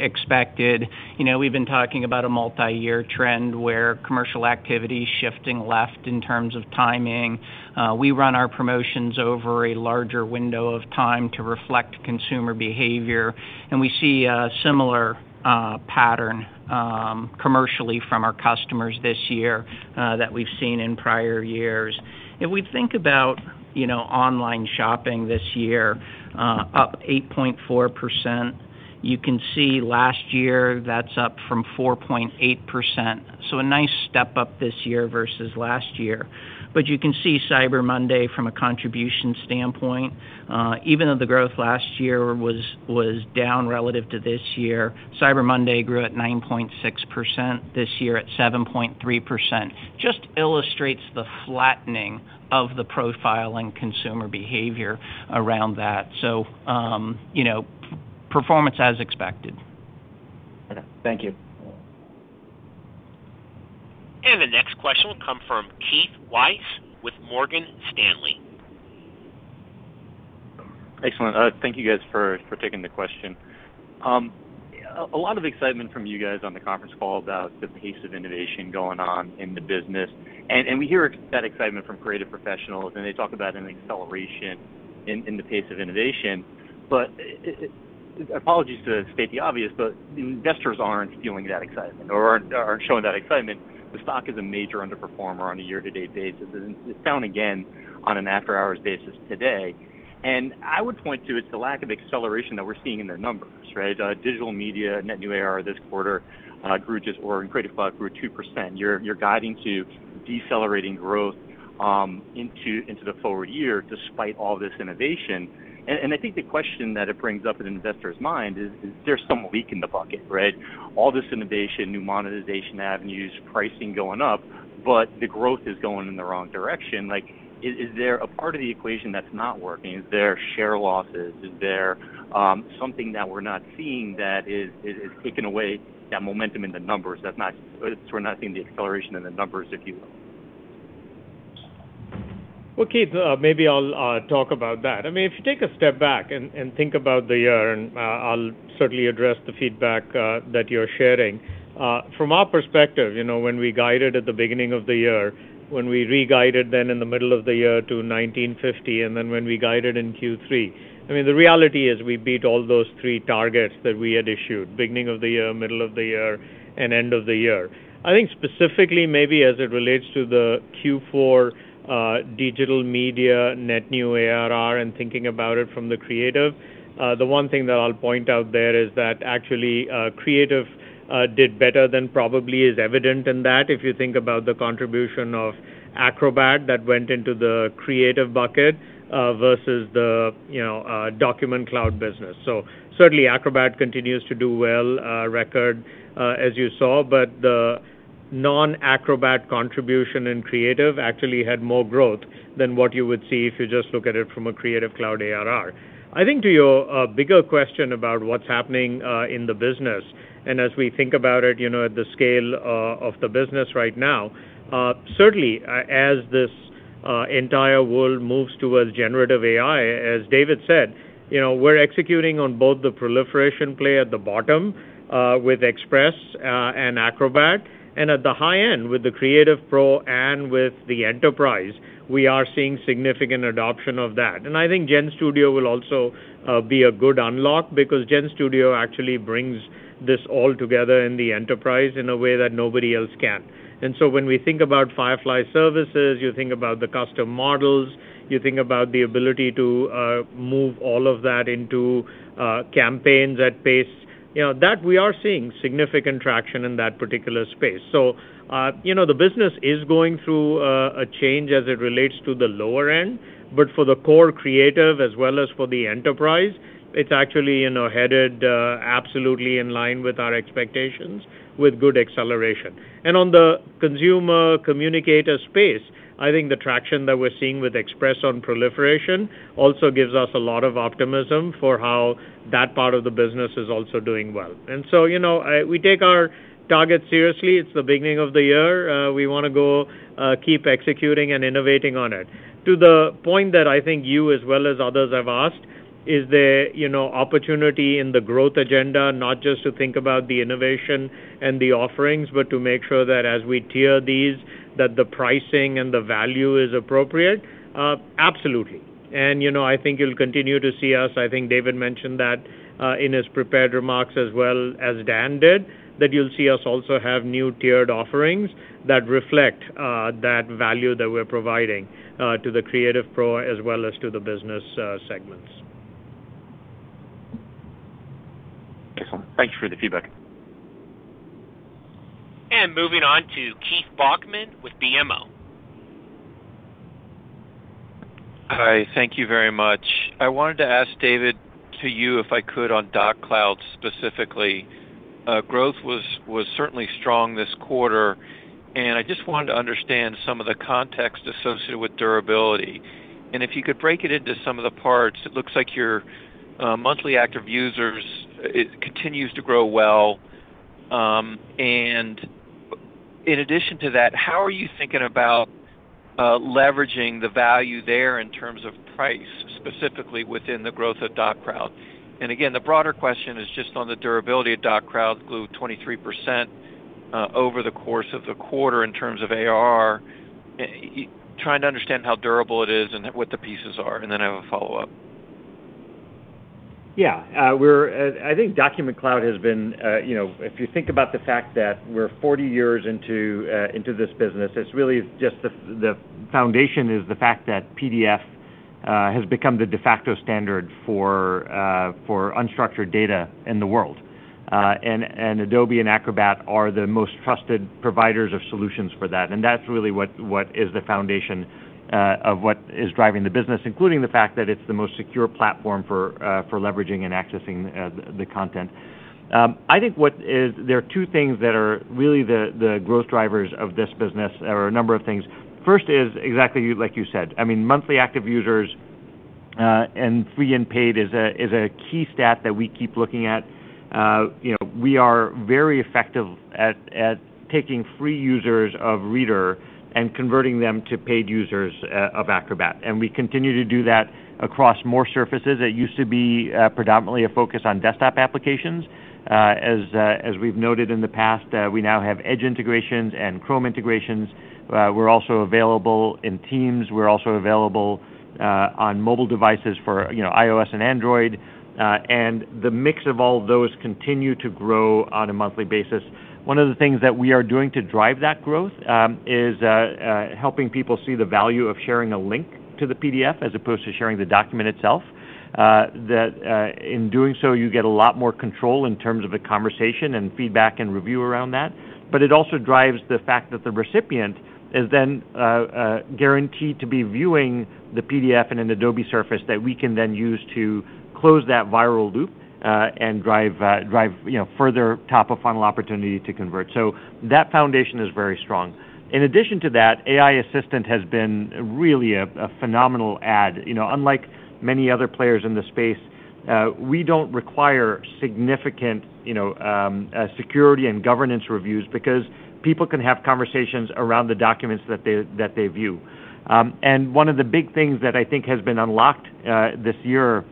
expected. We've been talking about a multi-year trend where commercial activity is shifting left in terms of timing. We run our promotions over a larger window of time to reflect consumer behavior, and we see a similar pattern commercially from our customers this year that we've seen in prior years. If we think about online shopping this year, up 8.4%. You can see last year that's up from 4.8%, so a nice step up this year versus last year, but you can see Cyber Monday from a contribution standpoint. Even though the growth last year was down relative to this year, Cyber Monday grew at 9.6%, this year at 7.3%. Just illustrates the flattening of the profile and consumer behavior around that, so performance as expected. Okay. Thank you. The next question will come from Keith Weiss with Morgan Stanley. Excellent. Thank you, guys, for taking the question. A lot of excitement from you guys on the conference call about the pace of innovation going on in the business, and we hear that excitement from creative professionals, and they talk about an acceleration in the pace of innovation. But apologies to state the obvious, but investors aren't feeling that excitement or aren't showing that excitement. The stock is a major underperformer on a year-to-date basis. It's down again on an after-hours basis today, and I would point to it's the lack of acceleration that we're seeing in the numbers, right? Digital Media net new ARR this quarter grew just 2%, or in Creative Cloud grew 2%. You're guiding to decelerating growth into the forward year despite all this innovation. And I think the question that it brings up in investors' minds is, is there some leak in the bucket, right? All this innovation, new monetization avenues, pricing going up, but the growth is going in the wrong direction. Is there a part of the equation that's not working? Is there share losses? Is there something that we're not seeing that is taking away that momentum in the numbers? That's why we're not seeing the acceleration in the numbers, if you will. Keith, maybe I'll talk about that. I mean, if you take a step back and think about the year, and I'll certainly address the feedback that you're sharing. From our perspective, when we guided at the beginning of the year, when we re-guided then in the middle of the year to $19.50, and then when we guided in Q3, I mean, the reality is we beat all those three targets that we had issued: beginning of the year, middle of the year, and end of the year. I think specifically maybe as it relates to the Q4 Digital Media, net new ARR, and thinking about it from the creative, the one thing that I'll point out there is that actually creative did better than probably is evident in that if you think about the contribution of Acrobat that went into the creative bucket versus the Document Cloud business. So certainly Acrobat continues to do well, record, as you saw, but the non-Acrobat contribution in creative actually had more growth than what you would see if you just look at it from a Creative Cloud ARR. I think to your bigger question about what's happening in the business, and as we think about it at the scale of the business right now, certainly as this entire world moves towards generative AI, as David said, we're executing on both the proliferation play at the bottom with Express and Acrobat, and at the high end with the Creative Pro and with the enterprise, we are seeing significant adoption of that. And I think Gen Studio will also be a good unlock because Gen Studio actually brings this all together in the enterprise in a way that nobody else can. And so when we think about Firefly Services, you think about the custom models, you think about the ability to move all of that into campaigns at pace, that we are seeing significant traction in that particular space. So the business is going through a change as it relates to the lower end, but for the core creative as well as for the enterprise, it's actually headed absolutely in line with our expectations with good acceleration. And on the consumer communicator space, I think the traction that we're seeing with Express on proliferation also gives us a lot of optimism for how that part of the business is also doing well. And so we take our targets seriously. It's the beginning of the year. We want to go keep executing and innovating on it. To the point that I think you, as well as others, have asked, is there opportunity in the growth agenda, not just to think about the innovation and the offerings, but to make sure that as we tier these, that the pricing and the value is appropriate? Absolutely, and I think you'll continue to see us. I think David mentioned that in his prepared remarks as well as Dan did, that you'll see us also have new tiered offerings that reflect that value that we're providing to the creative pro as well as to the business segments. Excellent. Thank you for the feedback. Moving on to Keith Bachman with BMO. Hi, thank you very much. I wanted to ask David if I could on Document Cloud specifically. Growth was certainly strong this quarter, and I just wanted to understand some of the context associated with durability. If you could break it into some of the parts, it looks like your monthly active users continues to grow well. In addition to that, how are you thinking about leveraging the value there in terms of price, specifically within the growth of Document Cloud? Again, the broader question is just on the durability of Document Cloud grew 23% over the course of the quarter in terms of ARR, trying to understand how durable it is and what the pieces are, and then I have a follow-up. Yeah. I think Document Cloud has been, if you think about the fact that we're 40 years into this business, it's really just the foundation is the fact that PDF has become the de facto standard for unstructured data in the world. And Adobe and Acrobat are the most trusted providers of solutions for that. And that's really what is the foundation of what is driving the business, including the fact that it's the most secure platform for leveraging and accessing the content. I think there are two things that are really the growth drivers of this business or a number of things. First is exactly like you said. I mean, monthly active users and free and paid is a key stat that we keep looking at. We are very effective at taking free users of Reader and converting them to paid users of Acrobat. We continue to do that across more surfaces. It used to be predominantly a focus on desktop applications. As we've noted in the past, we now have Edge integrations and Chrome integrations. We're also available in Teams. We're also available on mobile devices for iOS and Android. The mix of all those continues to grow on a monthly basis. One of the things that we are doing to drive that growth is helping people see the value of sharing a link to the PDF as opposed to sharing the document itself. In doing so, you get a lot more control in terms of the conversation and feedback and review around that. But it also drives the fact that the recipient is then guaranteed to be viewing the PDF in an Adobe surface that we can then use to close that viral loop and drive further top-of-funnel opportunity to convert. So that foundation is very strong. In addition to that, AI Assistant has been really a phenomenal add. Unlike many other players in the space, we don't require significant security and governance reviews because people can have conversations around the documents that they view. And one of the big things that I think has been unlocked this year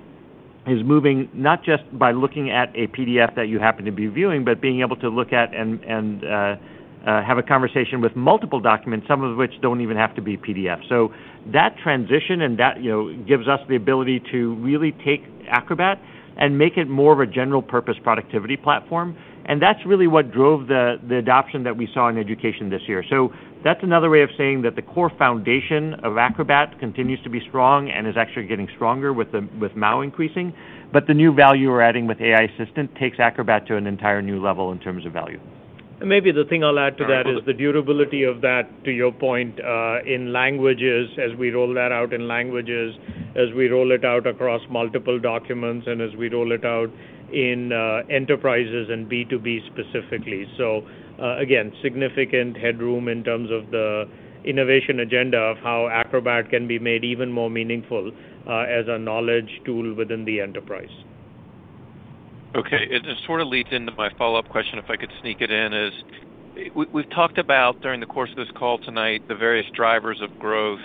is moving not just by looking at a PDF that you happen to be viewing, but being able to look at and have a conversation with multiple documents, some of which don't even have to be PDF. So that transition gives us the ability to really take Acrobat and make it more of a general-purpose productivity platform. And that's really what drove the adoption that we saw in education this year. So that's another way of saying that the core foundation of Acrobat continues to be strong and is actually getting stronger with MAU increasing. But the new value we're adding with AI Assistant takes Acrobat to an entire new level in terms of value. And maybe the thing I'll add to that is the durability of that, to your point, in languages, as we roll that out in languages, as we roll it out across multiple documents, and as we roll it out in enterprises and B2B specifically. So again, significant headroom in terms of the innovation agenda of how Acrobat can be made even more meaningful as a knowledge tool within the enterprise. Okay. It sort of leads into my follow-up question, if I could sneak it in, is we've talked about during the course of this call tonight the various drivers of growth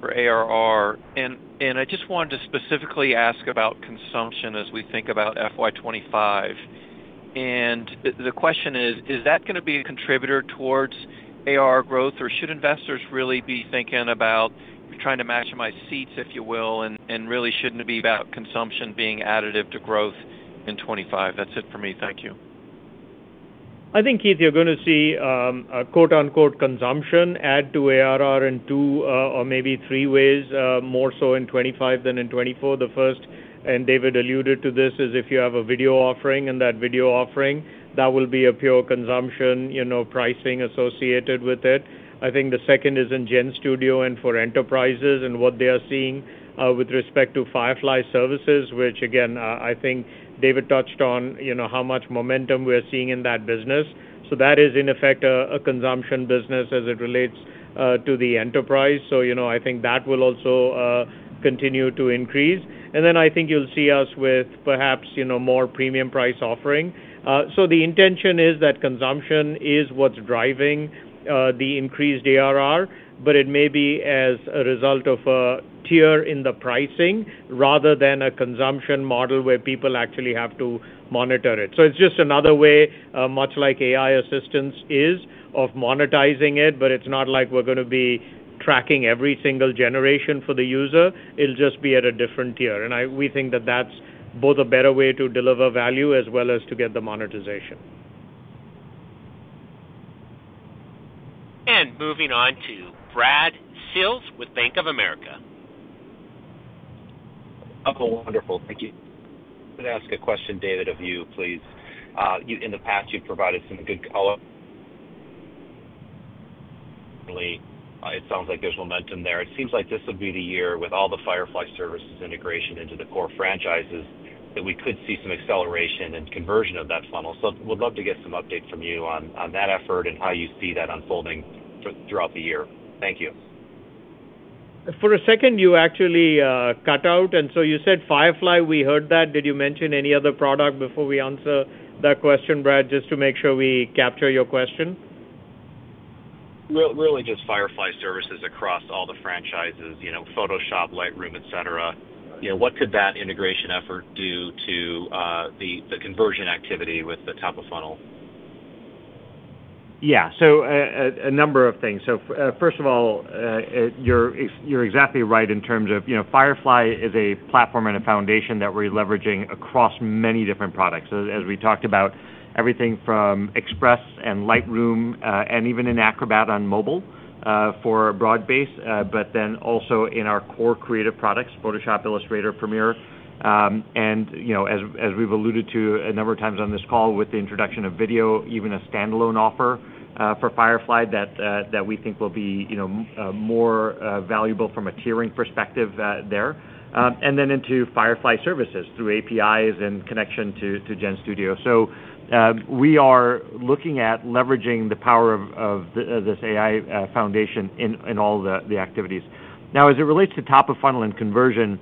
for ARR, and I just wanted to specifically ask about consumption as we think about FY25, and the question is, is that going to be a contributor towards ARR growth, or should investors really be thinking about trying to maximize seats, if you will, and really shouldn't it be about consumption being additive to growth in '25? That's it for me. Thank you. I think, Keith, you're going to see a quote-unquote consumption add to ARR in two or maybe three ways, more so in 2025 than in 2024. The first, and David alluded to this, is if you have a video offering and that video offering, that will be a pure consumption pricing associated with it. I think the second is in GenStudio and for enterprises and what they are seeing with respect to Firefly Services, which, again, I think David touched on how much momentum we're seeing in that business. So that is, in effect, a consumption business as it relates to the enterprise. So I think that will also continue to increase. And then I think you'll see us with perhaps more premium price offering. So the intention is that consumption is what's driving the increased ARR, but it may be as a result of a tier in the pricing rather than a consumption model where people actually have to monitor it. So it's just another way, much like AI Assistant is, of monetizing it, but it's not like we're going to be tracking every single generation for the user. It'll just be at a different tier. And we think that that's both a better way to deliver value as well as to get the monetization. Moving on to Brad Sills with Bank of America. Wonderful. Thank you. I'm going to ask a question, David, of you, please. In the past, you've provided some good color. It sounds like there's momentum there. It seems like this would be the year with all the Firefly services integration into the core franchises that we could see some acceleration and conversion of that funnel. So we'd love to get some updates from you on that effort and how you see that unfolding throughout the year. Thank you. For a second, you actually cut out. And so you said Firefly. We heard that. Did you mention any other product before we answer that question, Brad, just to make sure we capture your question? Really just Firefly Services across all the franchises, Photoshop, Lightroom, etc. What could that integration effort do to the conversion activity with the top of funnel? Yeah. So a number of things. So first of all, you're exactly right in terms of Firefly is a platform and a foundation that we're leveraging across many different products. As we talked about, everything from Express and Lightroom and even in Acrobat on mobile for a broad base, but then also in our core creative products, Photoshop, Illustrator, Premiere. And as we've alluded to a number of times on this call with the introduction of video, even a standalone offer for Firefly that we think will be more valuable from a tiering perspective there. And then into Firefly Services through APIs and connection to GenStudio. So we are looking at leveraging the power of this AI foundation in all the activities. Now, as it relates to top of funnel and conversion,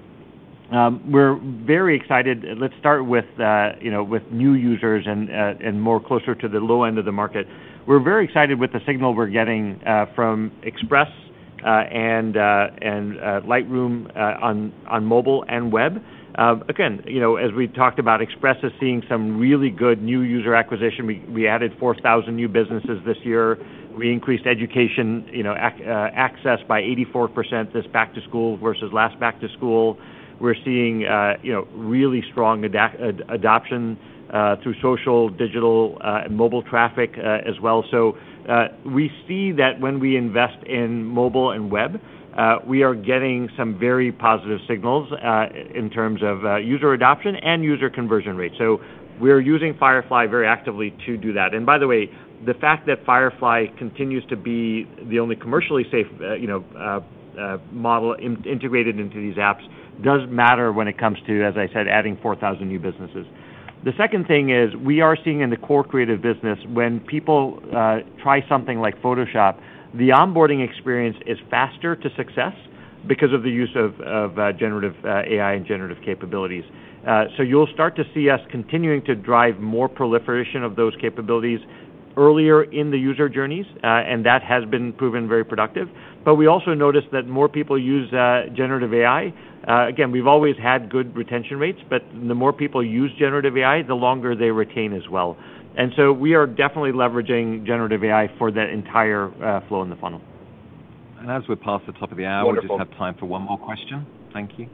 we're very excited. Let's start with new users and more closer to the low end of the market. We're very excited with the signal we're getting from Express and Lightroom on mobile and web. Again, as we talked about, Express is seeing some really good new user acquisition. We added 4,000 new businesses this year. We increased education access by 84% this back to school versus last back to school. We're seeing really strong adoption through social, digital, and mobile traffic as well. So we see that when we invest in mobile and web, we are getting some very positive signals in terms of user adoption and user conversion rates. So we're using Firefly very actively to do that. And by the way, the fact that Firefly continues to be the only commercially safe model integrated into these apps does matter when it comes to, as I said, adding 4,000 new businesses. The second thing is we are seeing in the core creative business when people try something like Photoshop, the onboarding experience is faster to success because of the use of generative AI and generative capabilities. So you'll start to see us continuing to drive more proliferation of those capabilities earlier in the user journeys, and that has been proven very productive. But we also noticed that more people use generative AI. Again, we've always had good retention rates, but the more people use generative AI, the longer they retain as well. And so we are definitely leveraging generative AI for that entire flow in the funnel. And as we pass the top of the hour, we just have time for one more question. Thank you.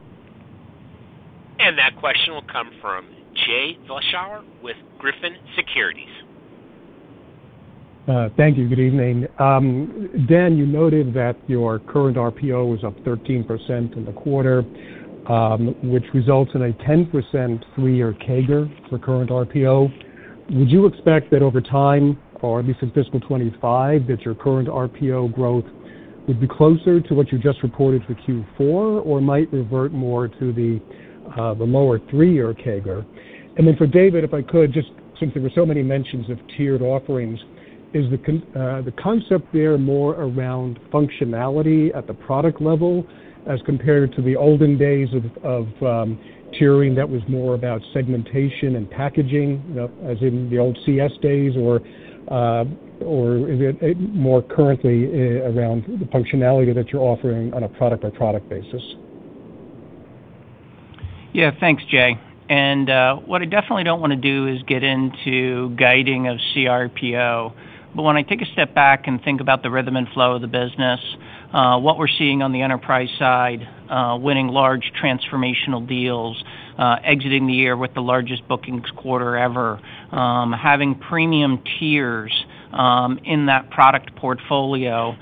That question will come from Jay Vleeschhouwer with Griffin Securities. Thank you. Good evening. Dan, you noted that your current RPO was up 13% in the quarter, which results in a 10% three-year CAGR for current RPO. Would you expect that over time, or at least in fiscal 2025, that your current RPO growth would be closer to what you just reported for Q4, or might revert more to the lower three-year CAGR? And then for David, if I could, just since there were so many mentions of tiered offerings, is the concept there more around functionality at the product level as compared to the olden days of tiering that was more about segmentation and packaging, as in the old CS days, or more currently around the functionality that you're offering on a product-by-product basis? Yeah, thanks, Jay. And what I definitely don't want to do is get into guiding of CRPO. But when I take a step back and think about the rhythm and flow of the business, what we're seeing on the enterprise side, winning large transformational deals, exiting the year with the largest bookings quarter ever, having premium tiers in that product portfolio,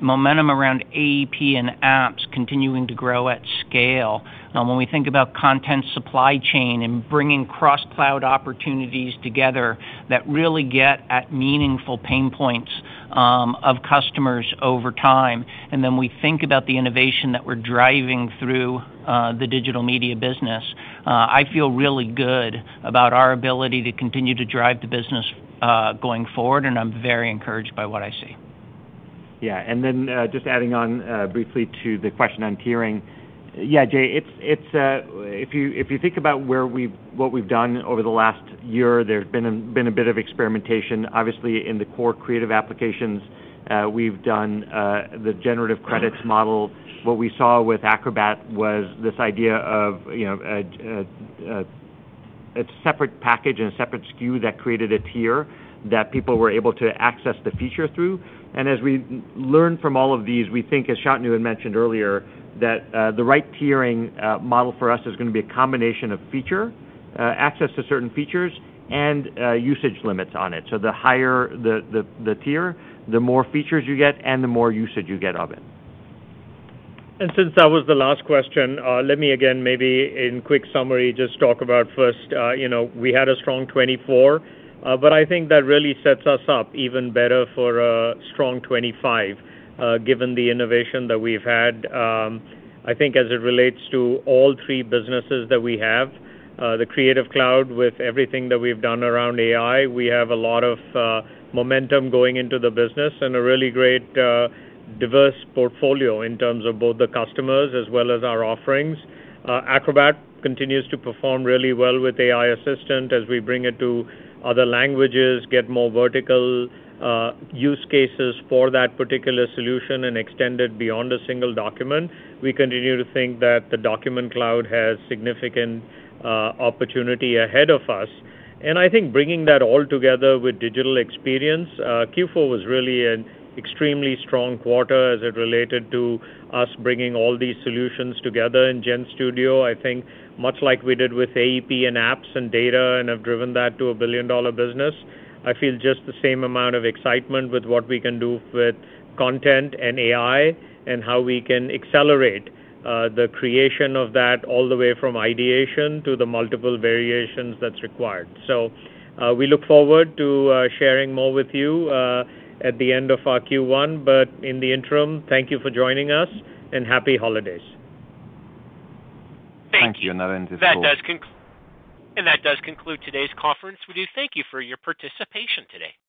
momentum around AEP and apps continuing to grow at scale. When we think about content supply chain and bringing cross-cloud opportunities together that really get at meaningful pain points of customers over time, and then we think about the innovation that we're driving through the Digital Media business, I feel really good about our ability to continue to drive the business going forward, and I'm very encouraged by what I see. Yeah, and then just adding on briefly to the question on tiering. Yeah, Jay, if you think about what we've done over the last year, there's been a bit of experimentation. Obviously, in the core creative applications, we've done the generative credits model. What we saw with Acrobat was this idea of a separate package and a separate SKU that created a tier that people were able to access the feature through. And as we learn from all of these, we think, as Shantanu had mentioned earlier, that the right tiering model for us is going to be a combination of feature, access to certain features, and usage limits on it, so the higher the tier, the more features you get, and the more usage you get of it. And since that was the last question, let me again, maybe in quick summary, just talk about first, we had a strong 2024, but I think that really sets us up even better for a strong 2025, given the innovation that we've had. I think as it relates to all three businesses that we have, the Creative Cloud with everything that we've done around AI, we have a lot of momentum going into the business and a really great diverse portfolio in terms of both the customers as well as our offerings. Acrobat continues to perform really well with AI Assistant as we bring it to other languages, get more vertical use cases for that particular solution and extend it beyond a single document. We continue to think that the Document Cloud has significant opportunity ahead of us. I think bringing that all together with Digital Experience, Q4 was really an extremely strong quarter as it related to us bringing all these solutions together in Gen Studio. I think much like we did with AEP and apps and data and have driven that to a billion-dollar business, I feel just the same amount of excitement with what we can do with content and AI and how we can accelerate the creation of that all the way from ideation to the multiple variations that's required. We look forward to sharing more with you at the end of our Q1, but in the interim, thank you for joining us and happy holidays. Thank you. Another interview. That does conclude today's conference. We do thank you for your participation today.